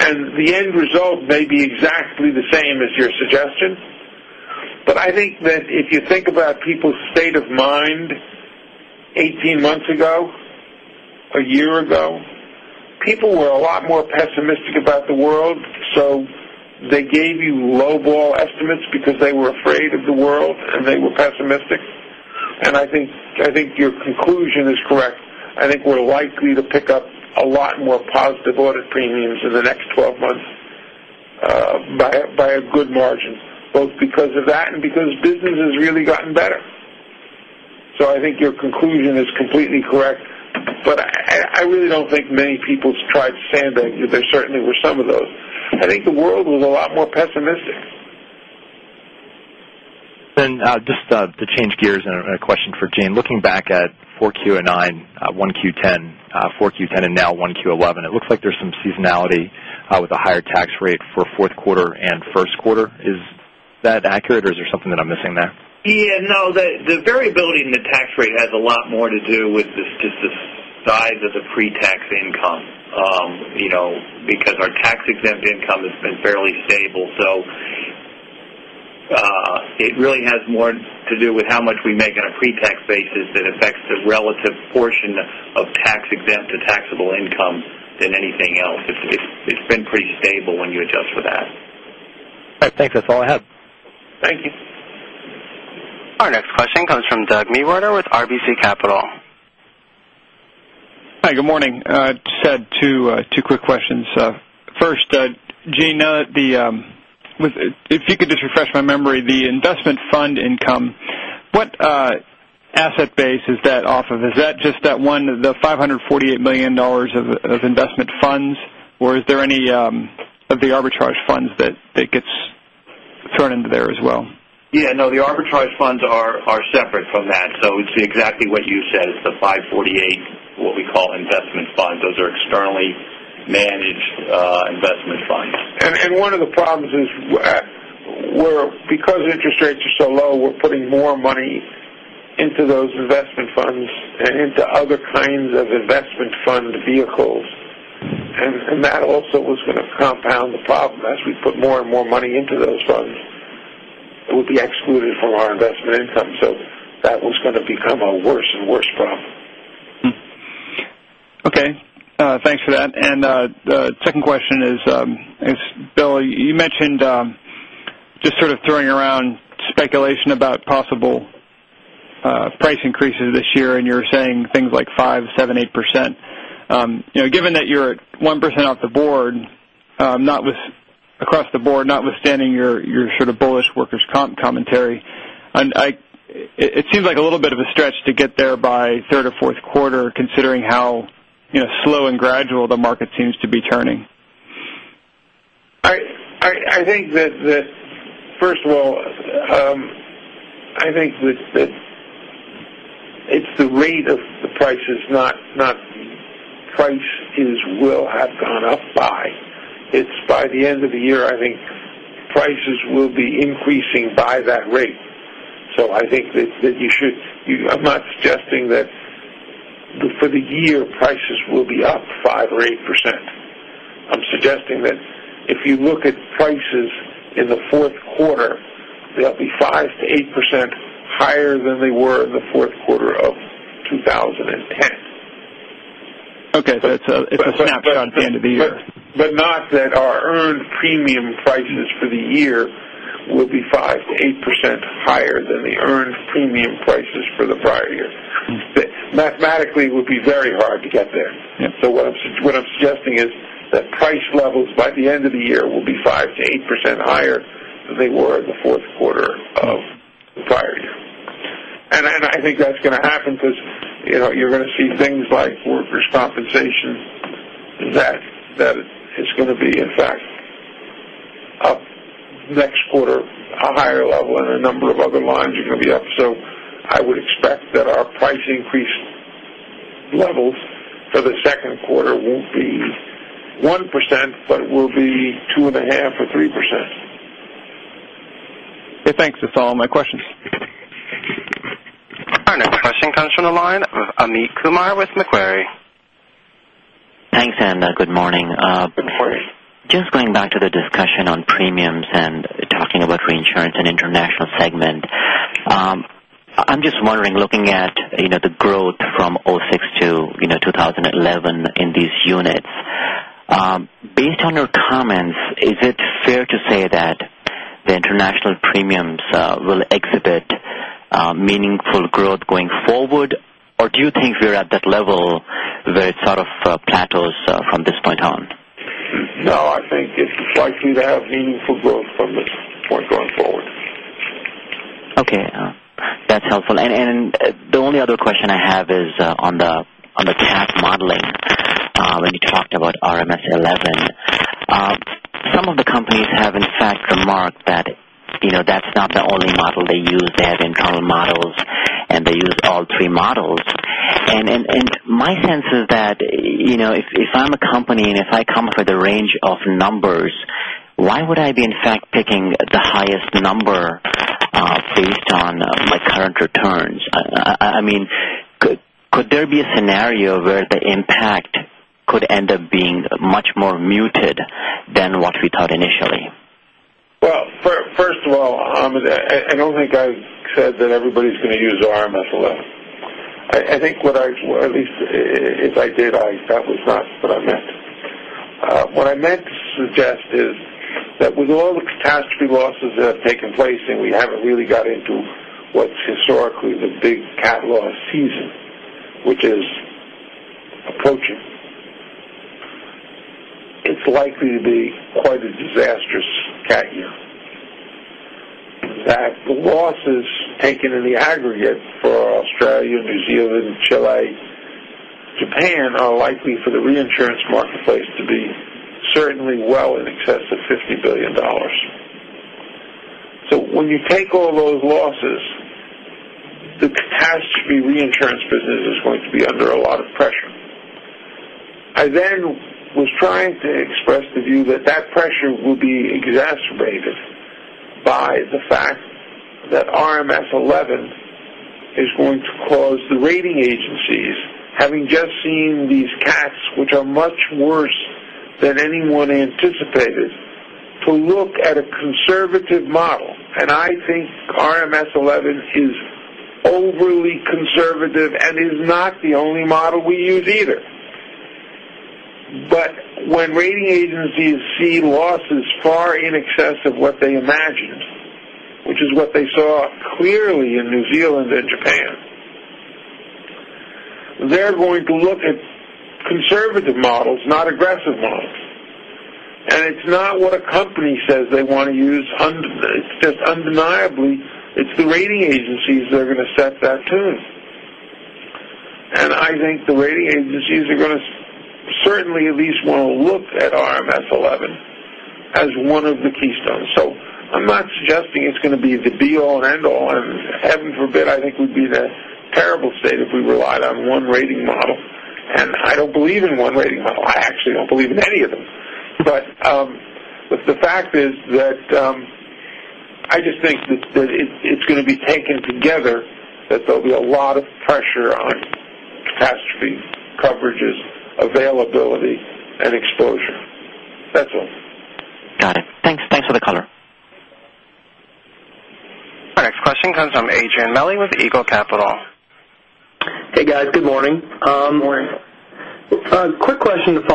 the end result may be exactly the same as your suggestion. I think that if you think about people's state of mind 18 months ago, a year ago, people were a lot more pessimistic about the world, so they gave you lowball estimates because they were afraid of the world and they were pessimistic. I think your conclusion is correct. I think we're likely to pick up a lot more positive audit premiums in the next 12 months by a good margin, both because of that and because business has really gotten better. I think your conclusion is completely correct. I really don't think many people tried to sandbag. There certainly were some of those. I think the world was a lot more pessimistic. Just to change gears and a question for Gene, looking back at 4Q 2009, 1Q 2010, 4Q 2010, and now 1Q 2011, it looks like there's some seasonality with a higher tax rate for fourth quarter and first quarter. Is that accurate, or is there something that I'm missing there? Yeah, no. The variability in the tax rate has a lot more to do with just the size of the pre-tax income because our tax-exempt income has been fairly stable. It really has more to do with how much we make on a pre-tax basis that affects the relative portion of tax-exempt to taxable income than anything else. It's been pretty stable when you adjust for that. All right, thanks. That is all I have. Thank you. Our next question comes from Doug Mewhirter with RBC Capital. Hi, good morning. Ted, two quick questions. First, Gene, if you could just refresh my memory, the investment fund income, what asset base is that off of? Is that just that one, the $548 million of investment funds, or is there any of the arbitrage funds that gets thrown into there as well? Yeah, no. The arbitrage funds are separate from that. It's exactly what you said. It's the 548, what we call investment funds. Those are externally managed investment funds. One of the problems is because interest rates are so low, we're putting more money into those investment funds and into other kinds of investment fund vehicles. That also was going to compound the problem. As we put more and more money into those funds, it would be excluded from our investment income. That was going to become a worse and worse problem. Okay. Thanks for that. The second question is, Bill, you mentioned just sort of throwing around speculation about possible price increases this year, and you're saying things like 5%, 7%, 8%. Given that you're 1% off the board, across the board, notwithstanding your sort of bullish workers' comp commentary, it seems like a little bit of a stretch to get there by third or fourth quarter, considering how slow and gradual the market seems to be turning. I think that first of all, it's the rate of the prices, not price will have gone up by. It's by the end of the year, I think prices will be increasing by that rate. I'm not suggesting that for the year, prices will be up 5% or 8%. I'm suggesting that if you look at prices in the fourth quarter, they'll be 5%-8% higher than they were in the fourth quarter of 2010. Okay. It's a snapshot at the end of the year. Not that our earned premium prices for the year will be 5%-8% higher than the earned premium prices for the prior year. Mathematically, it would be very hard to get there. Yep. What I'm suggesting is that price levels by the end of the year will be 5%-8% higher than they were in the fourth quarter of the prior year. I think that's going to happen because you're going to see things like workers' compensation, that is going to be, in fact, up next quarter a higher level and a number of other lines are going to be up. I would expect that our price increase levels for the second quarter won't be 1%, but will be 2.5% or 3%. Okay, thanks. That's all my questions. Our next question comes from the line of Amit Kumar with Macquarie. Thanks. Good morning. Good morning. Just going back to the discussion on premiums and talking about reinsurance and international segment. I'm just wondering, looking at the growth from 2006 to 2011 in these units. Based on your comments, is it fair to say that the international premiums will exhibit meaningful growth going forward? Do you think we're at that level where it sort of plateaus from this point on? No, I think it's likely to have meaningful growth from this point going forward. Okay. That's helpful. The only other question I have is on the CAT modeling. When you talked about RMS 11. Some of the companies have in fact remarked that's not the only model they use. They have internal models, and they use all three models. My sense is that, if I'm a company and if I come up with a range of numbers, why would I be in fact picking the highest number based on my current returns? Could there be a scenario where the impact could end up being much more muted than what we thought initially? Well, first of all, Amit, I don't think I've said that everybody's going to use RMS 11. I think at least if I did, that was not what I meant. What I meant to suggest is that with all the catastrophe losses that have taken place, we haven't really got into what's historically the big CAT loss season, which is approaching. It's likely to be quite a disastrous CAT year. In fact, the losses taken in the aggregate for Australia, New Zealand, Chile, Japan are likely for the reinsurance marketplace to be certainly well in excess of $50 billion. When you take all those losses, the CAT reinsurance business is going to be under a lot of pressure. I was trying to express the view that that pressure will be exacerbated by the fact that RMS 11 is going to cause the rating agencies, having just seen these CATs, which are much worse than anyone anticipated, to look at a conservative model, and I think RMS 11 is overly conservative and is not the only model we use either. When rating agencies see losses far in excess of what they imagined, which is what they saw clearly in New Zealand and Japan, they're going to look at conservative models, not aggressive models. It's not what a company says they want to use. Just undeniably, it's the rating agencies that are going to set that tune. I think the rating agencies are going to certainly at least want to look at RMS 11 as one of the keystones. I'm not suggesting it's going to be the be all and end all, heaven forbid, I think we'd be in a terrible state if we relied on one rating model. I don't believe in one rating model. I actually don't believe in any of them. The fact is that I just think that it's going to be taken together, that there'll be a lot of pressure on catastrophe coverages, availability, and exposure. That's all. Got it. Thanks for the color. Our next question comes from Adrian Meli with Eagle Capital. Hey, guys. Good morning. Good morning. Curious if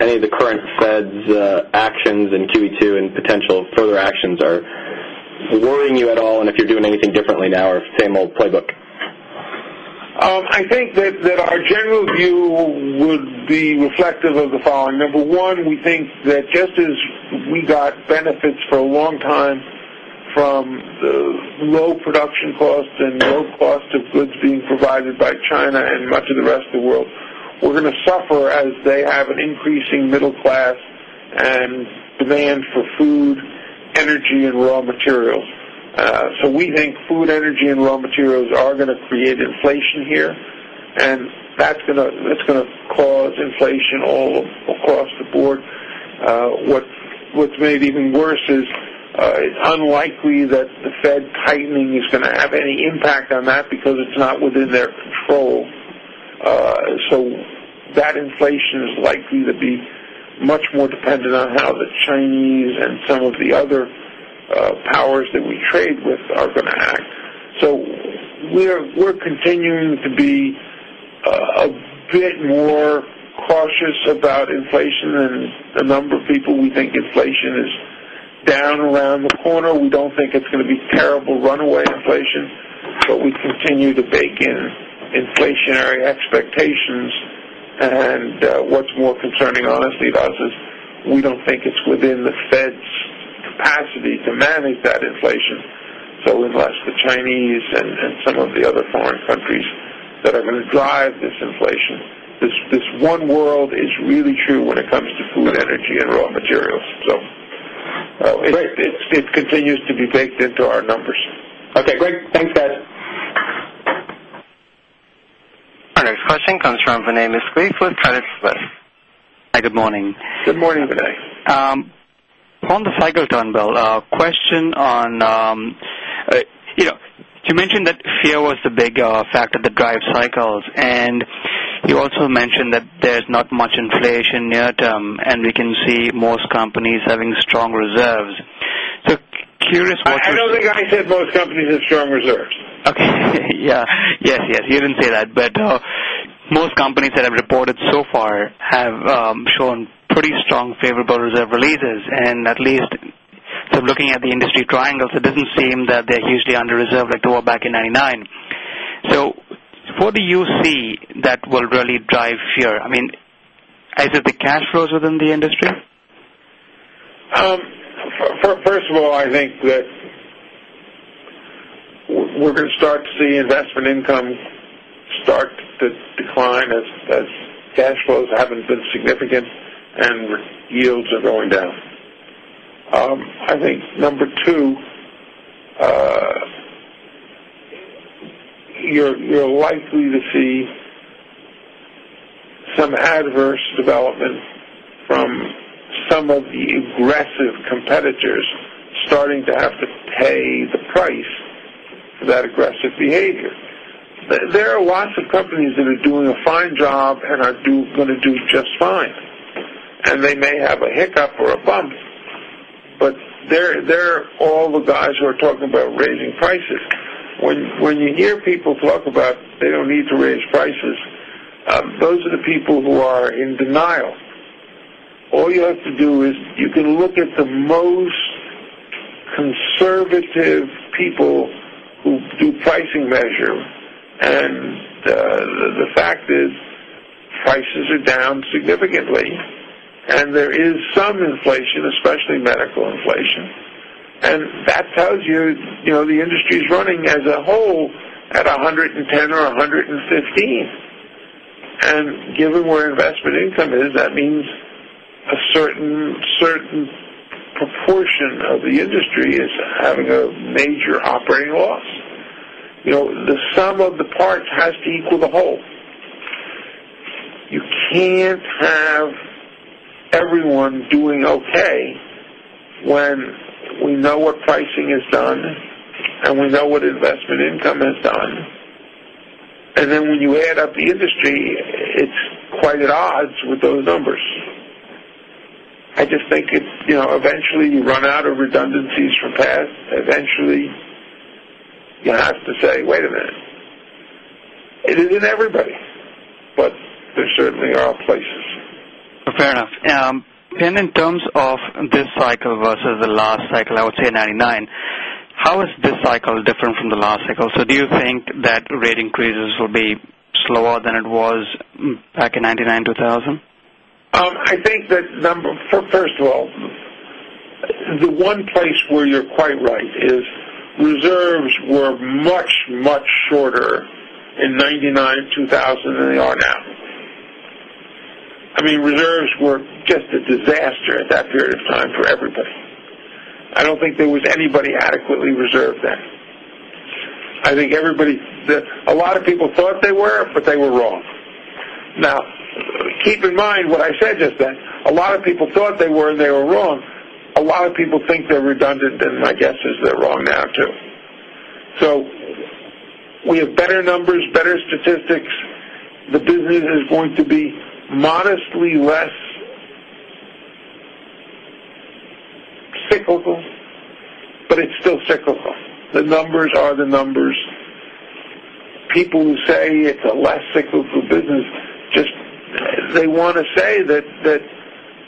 any of the current Fed's actions in Q2 and potential further actions are worrying you at all, and if you're doing anything differently now or same old playbook? I think that our general view would be reflective of the following. Number one, we think that just as we got benefits for a long time from low production costs and low cost of goods being provided by China and much of the rest of the world, we're going to suffer as they have an increasing middle class and demand for food, energy, and raw materials. We think food, energy, and raw materials are going to create inflation here, and that's going to cause inflation all across the board. What's made it even worse is it's unlikely that the Fed tightening is going to have any impact on that because it's not within their control. That inflation is likely to be much more dependent on how the Chinese and some of the other powers that we trade with are going to act. We're continuing to be a bit more cautious about inflation than a number of people. We think inflation is down around the corner. We don't think it's going to be terrible runaway inflation, but we continue to bake in inflationary expectations. What's more concerning, honestly, to us is we don't think it's within the Fed's capacity to manage that inflation. Unless the Chinese and some of the other foreign countries that are going to drive this inflation, this one world is really true when it comes to food, energy, and raw materials. It continues to be baked into our numbers. Okay, great. Thanks, guys. Our next question comes from Vinay Misquith with Credit Suisse. Hi, good morning. Good morning, Vinay. On the cycle turn, Bill, a question on you mentioned that fear was the big factor that drives cycles, and you also mentioned that there's not much inflation near term, and we can see most companies having strong reserves. Curious what you- I don't think I said most companies have strong reserves. Okay yeah. Yes, you didn't say that, but most companies that have reported so far have shown pretty strong favorable reserve releases and at least from looking at the industry triangles, it doesn't seem that they're hugely under-reserved like they were back in 1999. What do you see that will really drive fear? Is it the cash flows within the industry? First of all, I think that we're going to start to see investment income start to decline as cash flows haven't been significant and yields are going down. I think number two, you're likely to see some adverse development from some of the aggressive competitors starting to have to pay the price for that aggressive behavior. There are lots of companies that are doing a fine job and are going to do just fine, and they may have a hiccup or a bump, but they're all the guys who are talking about raising prices. When you hear people talk about they don't need to raise prices, those are the people who are in denial. All you have to do is you can look at the most conservative people who do pricing measure, and the fact is prices are down significantly, and there is some inflation, especially medical inflation. That tells you the industry is running as a whole at 110% or 115%. Given where investment income is, that means a certain proportion of the industry is having a major operating loss. The sum of the parts has to equal the whole. You cannot have everyone doing okay when we know what pricing has done, we know what investment income has done, when you add up the industry, it is quite at odds with those numbers. I just think eventually you run out of redundancies for path. Eventually, you have to say, "Wait a minute." It is not everybody, but there certainly are places. Fair enough. In terms of this cycle versus the last cycle, I would say 1999, how is this cycle different from the last cycle? Do you think that rate increases will be slower than it was back in 1999, 2000? First of all, the one place where you are quite right is reserves were much, much shorter in 1999, 2000 than they are now. Reserves were just a disaster at that period of time for everybody. I do not think there was anybody adequately reserved then. I think a lot of people thought they were, but they were wrong. Now, keep in mind what I said just then. A lot of people thought they were, and they were wrong. A lot of people think they are redundant, and my guess is they are wrong now, too. We have better numbers, better statistics. The business is going to be modestly less cyclical, but it is still cyclical. The numbers are the numbers. People who say it is a less cyclical business, they want to say that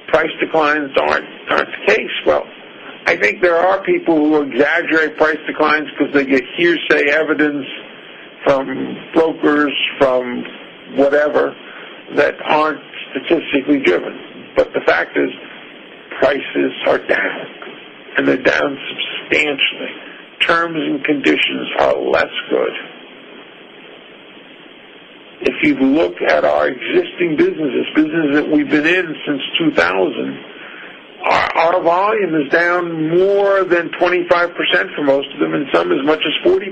price declines are not the case. Well, I think there are people who exaggerate price declines because they get hearsay evidence from brokers, from whatever, that are not statistically driven. The fact is, prices are down, and they are down substantially. Terms and conditions are less good. If you look at our existing businesses that we have been in since 2000, our volume is down more than 25% for most of them, and some as much as 40%.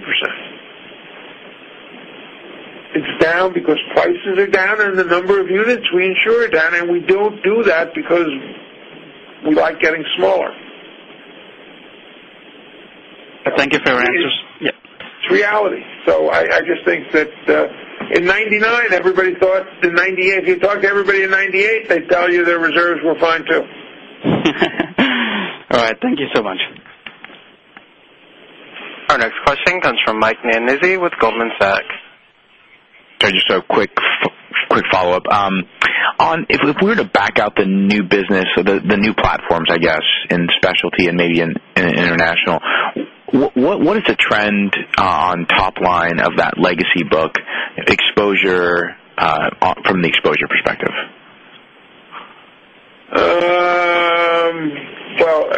It is down because prices are down and the number of units we insure are down, and we do not do that because we like getting smaller. Thank you for your answers. Yeah. It's reality. I just think that in 1999, everybody thought in 1998. If you talked to everybody in 1998, they'd tell you their reserves were fine, too. All right. Thank you so much. Our next question comes from Mike Nannizzi with Goldman Sachs. Just a quick follow-up. If we were to back out the new business or the new platforms, I guess, in specialty and maybe in international, what is the trend on top line of that legacy book from the exposure perspective? Well,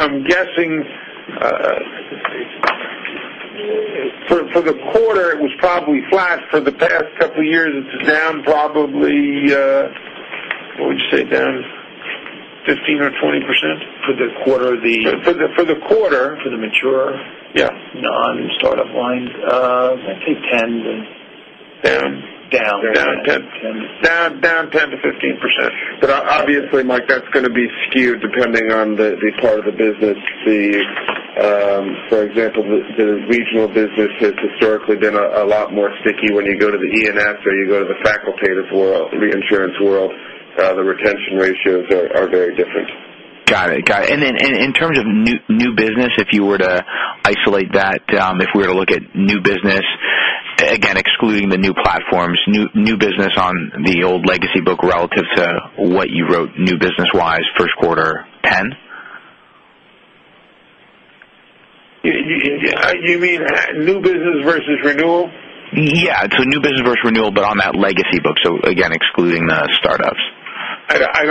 I'm guessing for the quarter, it was probably flat. For the past couple of years, it's down probably, what would you say, down 15% or 20%? For the quarter, For the quarter. For the mature- Yeah. Non-startup lines. I'd say 10 then. Down. Down. Down 10%-15%. Obviously, Mike, that's going to be skewed depending on the part of the business. For example, the regional business has historically been a lot more sticky when you go to the E&S or you go to the facultative world, reinsurance world. The retention ratios are very different. Got it. In terms of new business, if you were to isolate that, if we were to look at new business, again, excluding the new platforms, new business on the old legacy book relative to what you wrote new business-wise, first quarter, 10? You mean new business versus renewal? Yeah. New business versus renewal, on that legacy book. Again, excluding the startups. I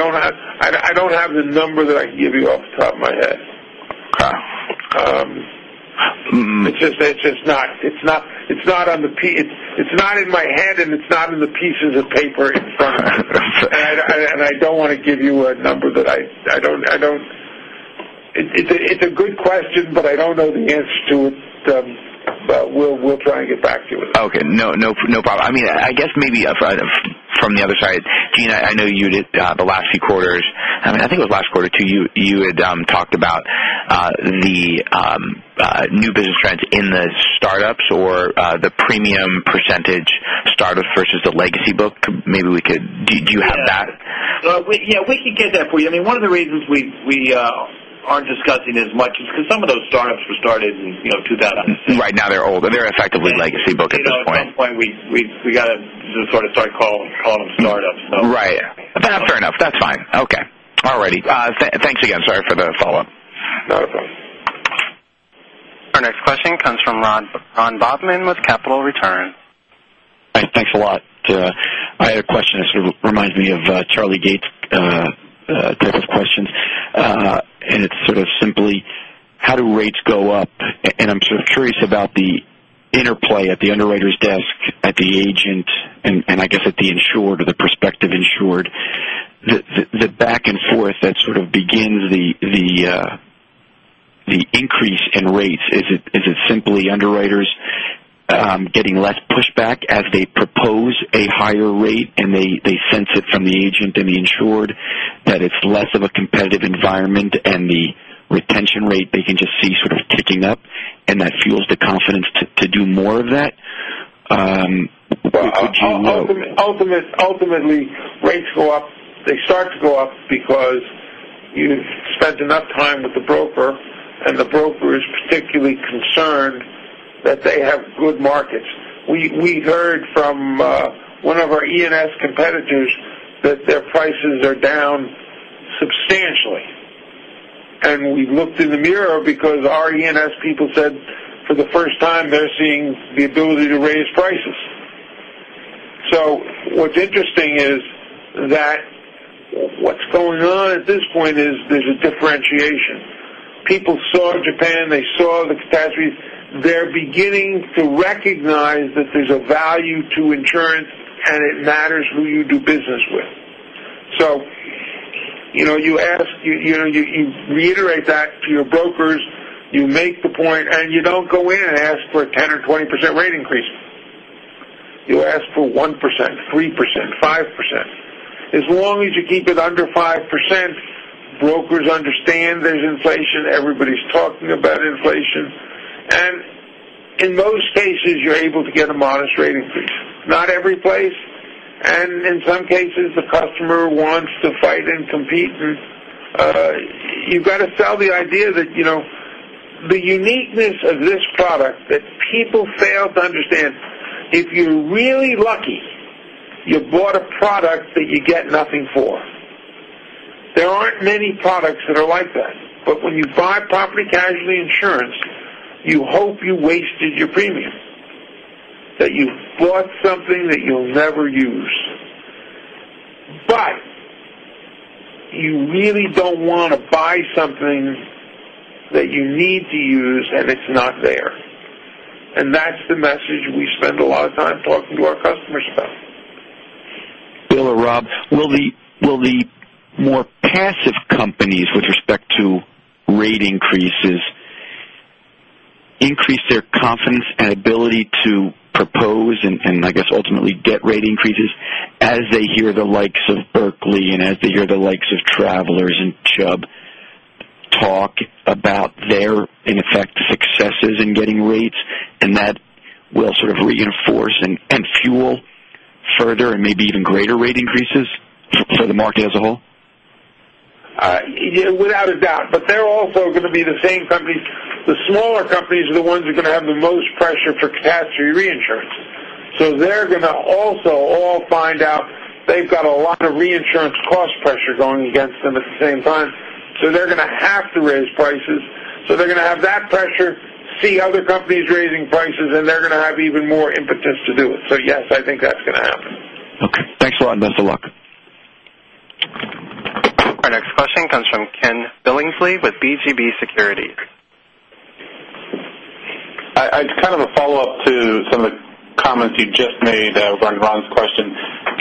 don't have the number that I can give you off the top of my head. Okay. It's not in my head, and it's not in the pieces of paper in front of me. I don't want to give you a number that I don't. It's a good question, but I don't know the answer to it. We'll try and get back to you with that. Okay. No problem. I guess maybe from the other side, Gene, I know you did the last few quarters. I think it was last quarter too, you had talked about the new business trends in the startups or the premium % startup versus the legacy book. Do you have that? Yeah. We can get that for you. One of the reasons we aren't discussing as much is because some of those startups were started in 2006. Right. Now they're old. They're effectively legacy book at this point. At some point, we got to sort of start calling them startups, so. Right. Fair enough. That's fine. Okay. All righty. Thanks again. Sorry for the follow-up. Not a problem. Our next question comes from Ron Bobman with Capital Return. Thanks a lot. I had a question. This reminds me of Charlie Gates type of question, it's sort of simply, how do rates go up? I'm sort of curious about the interplay at the underwriter's desk, at the agent, and I guess at the insured or the prospective insured, the back and forth that sort of begins the increase in rates. Is it simply underwriters getting less pushback as they propose a higher rate, and they sense it from the agent and the insured that it's less of a competitive environment, and the retention rate they can just see sort of ticking up, and that fuels the confidence to do more of that? Ultimately, rates go up. They start to go up because you've spent enough time with the broker, and the broker is particularly concerned that they have good markets. We heard from one of our E&S competitors that their prices are down substantially, and we looked in the mirror because our E&S people said, for the first time, they're seeing the ability to raise prices. What's interesting is that what's going on at this point is there's a differentiation. People saw Japan, they saw the catastrophe. They're beginning to recognize that there's a value to insurance and it matters who you do business with. You reiterate that to your brokers. You make the point, and you don't go in and ask for a 10% or 20% rate increase. You ask for 1%, 3%, 5%. As long as you keep it under 5%, brokers understand there's inflation. Everybody's talking about inflation. In most cases, you're able to get a modest rate increase. Not every place, and in some cases, the customer wants to fight and compete, and you've got to sell the idea that the uniqueness of this product that people fail to understand. If you're really lucky, you bought a product that you get nothing for. There aren't many products that are like that, but when you buy property casualty insurance, you hope you wasted your premium, that you've bought something that you'll never use. You really don't want to buy something that you need to use, and it's not there. That's the message we spend a lot of time talking to our customers about. Bill or Rob, will the more passive companies, with respect to rate increases, increase their confidence and ability to propose and, I guess, ultimately get rate increases as they hear the likes of Berkley and as they hear the likes of Travelers and Chubb talk about their, in effect, successes in getting rates, and that will sort of reinforce and fuel further and maybe even greater rate increases for the market as a whole? Without a doubt, but they're also going to be the same companies. The smaller companies are the ones who are going to have the most pressure for catastrophe reinsurance. They're going to also all find out they've got a lot of reinsurance cost pressure going against them at the same time. They're going to have to raise prices. They're going to have that pressure, see other companies raising prices, and they're going to have even more impetus to do it. Yes, I think that's going to happen. Okay. Thanks a lot and best of luck. Our next question comes from Ken Billingsley with BGB Securities. It's kind of a follow-up to some of the comments you just made on Ron's question.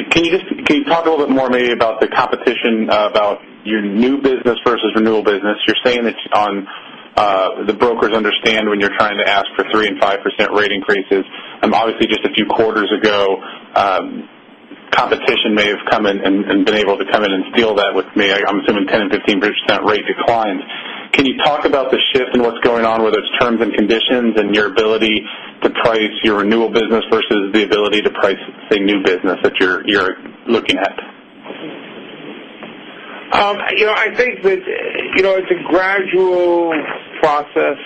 Can you talk a little bit more maybe about the competition, about your new business versus renewal business? You're saying that the brokers understand when you're trying to ask for three and five% rate increases. Obviously, just a few quarters ago, competition may have come in and been able to come in and steal that with maybe, I'm assuming, 10 and 15% rate declines. Can you talk about the shift in what's going on, whether it's terms and conditions and your ability to price your renewal business versus the ability to price, say, new business that you're looking at? I think that it's a gradual process.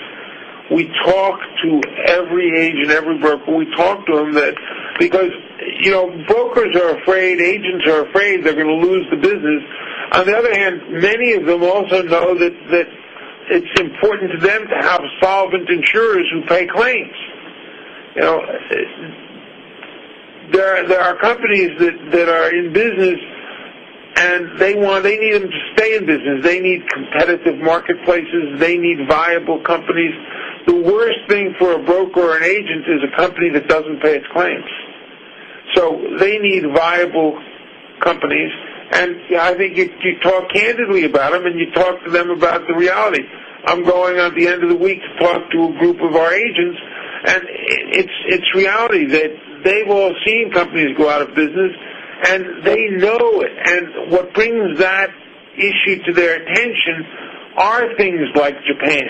We talk to every agent, every broker. We talk to them because brokers are afraid, agents are afraid they're going to lose the business. On the other hand, many of them also know that it's important to them to have solvent insurers who pay claims. There are companies that are in business, and they need them to stay in business. They need competitive marketplaces. They need viable companies. The worst thing for a broker or an agent is a company that doesn't pay its claims. They need viable companies, and I think if you talk candidly about them and you talk to them about the reality. I'm going, at the end of the week, to talk to a group of our agents, and it's reality that they've all seen companies go out of business, and they know it. What brings that issue to their attention are things like Japan,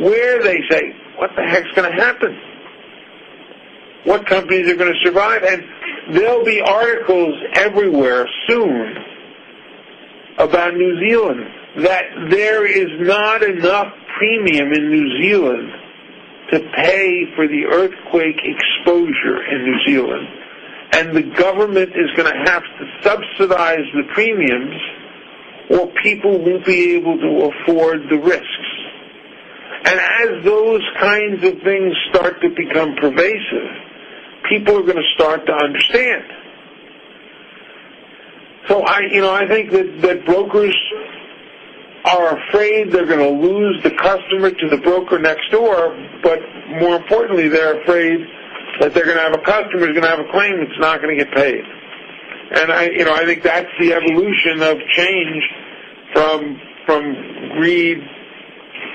where they say, "What the heck's going to happen? What companies are going to survive?" There'll be articles everywhere soon about New Zealand, that there is not enough premium in New Zealand to pay for the earthquake exposure in New Zealand, and the government is going to have to subsidize the premiums, or people won't be able to afford the risks. As those kinds of things start to become pervasive, people are going to start to understand. I think that brokers are afraid they're going to lose the customer to the broker next door. More importantly, they're afraid that they're going to have a customer who's going to have a claim that's not going to get paid. I think that's the evolution of change from greed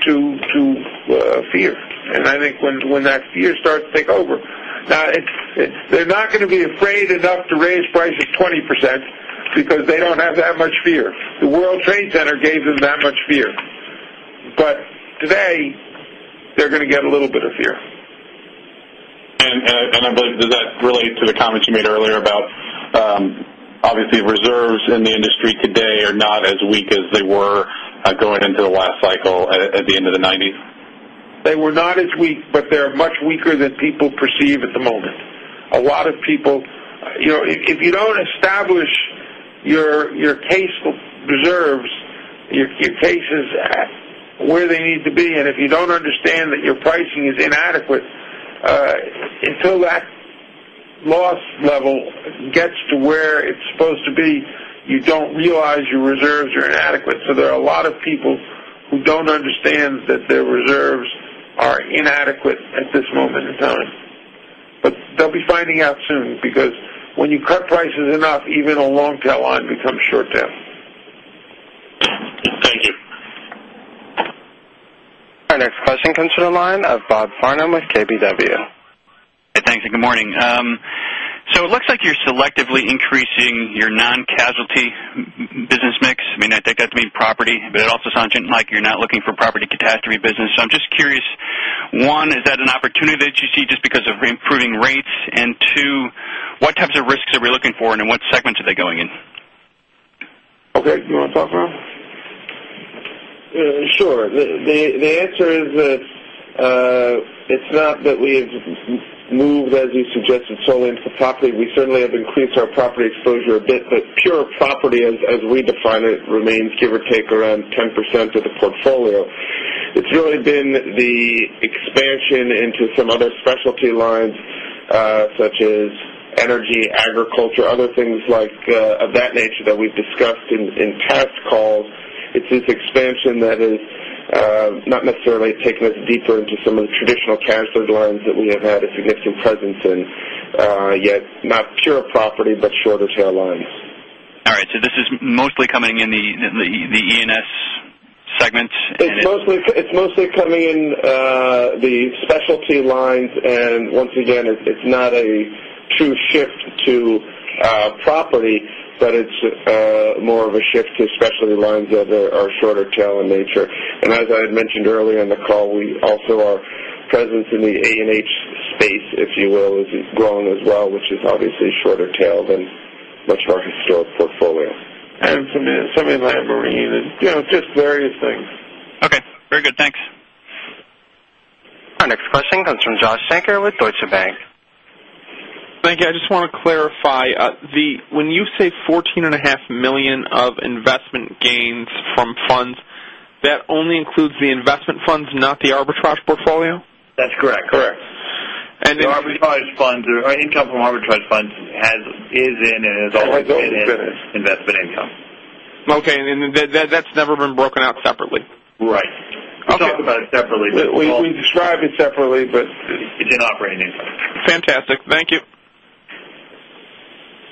to fear, and I think when that fear starts to take over. Now, they're not going to be afraid enough to raise prices 20%, because they don't have that much fear. The World Trade Center gave them that much fear. Today, they're going to get a little bit of fear. I believe, does that relate to the comments you made earlier about, obviously, reserves in the industry today are not as weak as they were going into the last cycle at the end of the 1990s? They were not as weak, they're much weaker than people perceive at the moment. If you don't establish your case reserves, your cases where they need to be, and if you don't understand that your pricing is inadequate, until that loss level gets to where it's supposed to be, you don't realize your reserves are inadequate. There are a lot of people who don't understand that their reserves are inadequate at this moment in time. They'll be finding out soon, because when you cut prices enough, even a long-tail line becomes short tail. Thank you. Our next question comes to the line of Bob Farnam with KBW. Hey, thanks. Good morning. It looks like you're selectively increasing your non-casualty business mix. I take that to mean property, but it also sounds like you're not looking for property catastrophe business. I'm just curious, one, is that an opportunity that you see just because of improving rates? And two, what types of risks are we looking for, and in what segments are they going in? Okay. You want to talk, Rob? Sure. The answer is that it's not that we have moved, as you suggested, solely into property. We certainly have increased our property exposure a bit, but pure property, as we define it, remains, give or take, around 10% of the portfolio. It's really been the expansion into some other specialty lines, such as energy, agriculture, other things of that nature that we've discussed in past calls. It's this expansion that has not necessarily taken us deeper into some of the traditional casualty lines that we have had a significant presence in, yet not pure property, but shorter tail lines. All right. This is mostly coming in the E&S segments. It's mostly coming in the specialty lines. Once again, it's not a true shift to property, but it's more of a shift to specialty lines that are shorter tail in nature. As I had mentioned earlier in the call, we also are present in the A&H space, if you will. It's grown as well, which is obviously shorter tail than much of our historic portfolio. Some in marine. Just various things. Okay. Very good. Thanks. Our next question comes from Joshua Shanker with Deutsche Bank. Thank you. I just want to clarify. When you say $14.5 million of investment gains from funds, that only includes the investment funds, not the arbitrage portfolio? That's correct. Correct. And then- The arbitrage funds, or income from arbitrage funds is in and has always been. Has always been in. investment income. Okay. That's never been broken out separately? Right. Okay. We talk about it separately. We describe it separately, but. It's in operating income. Fantastic. Thank you.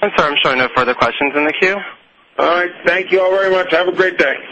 I'm sorry. I'm showing no further questions in the queue. All right. Thank you all very much. Have a great day.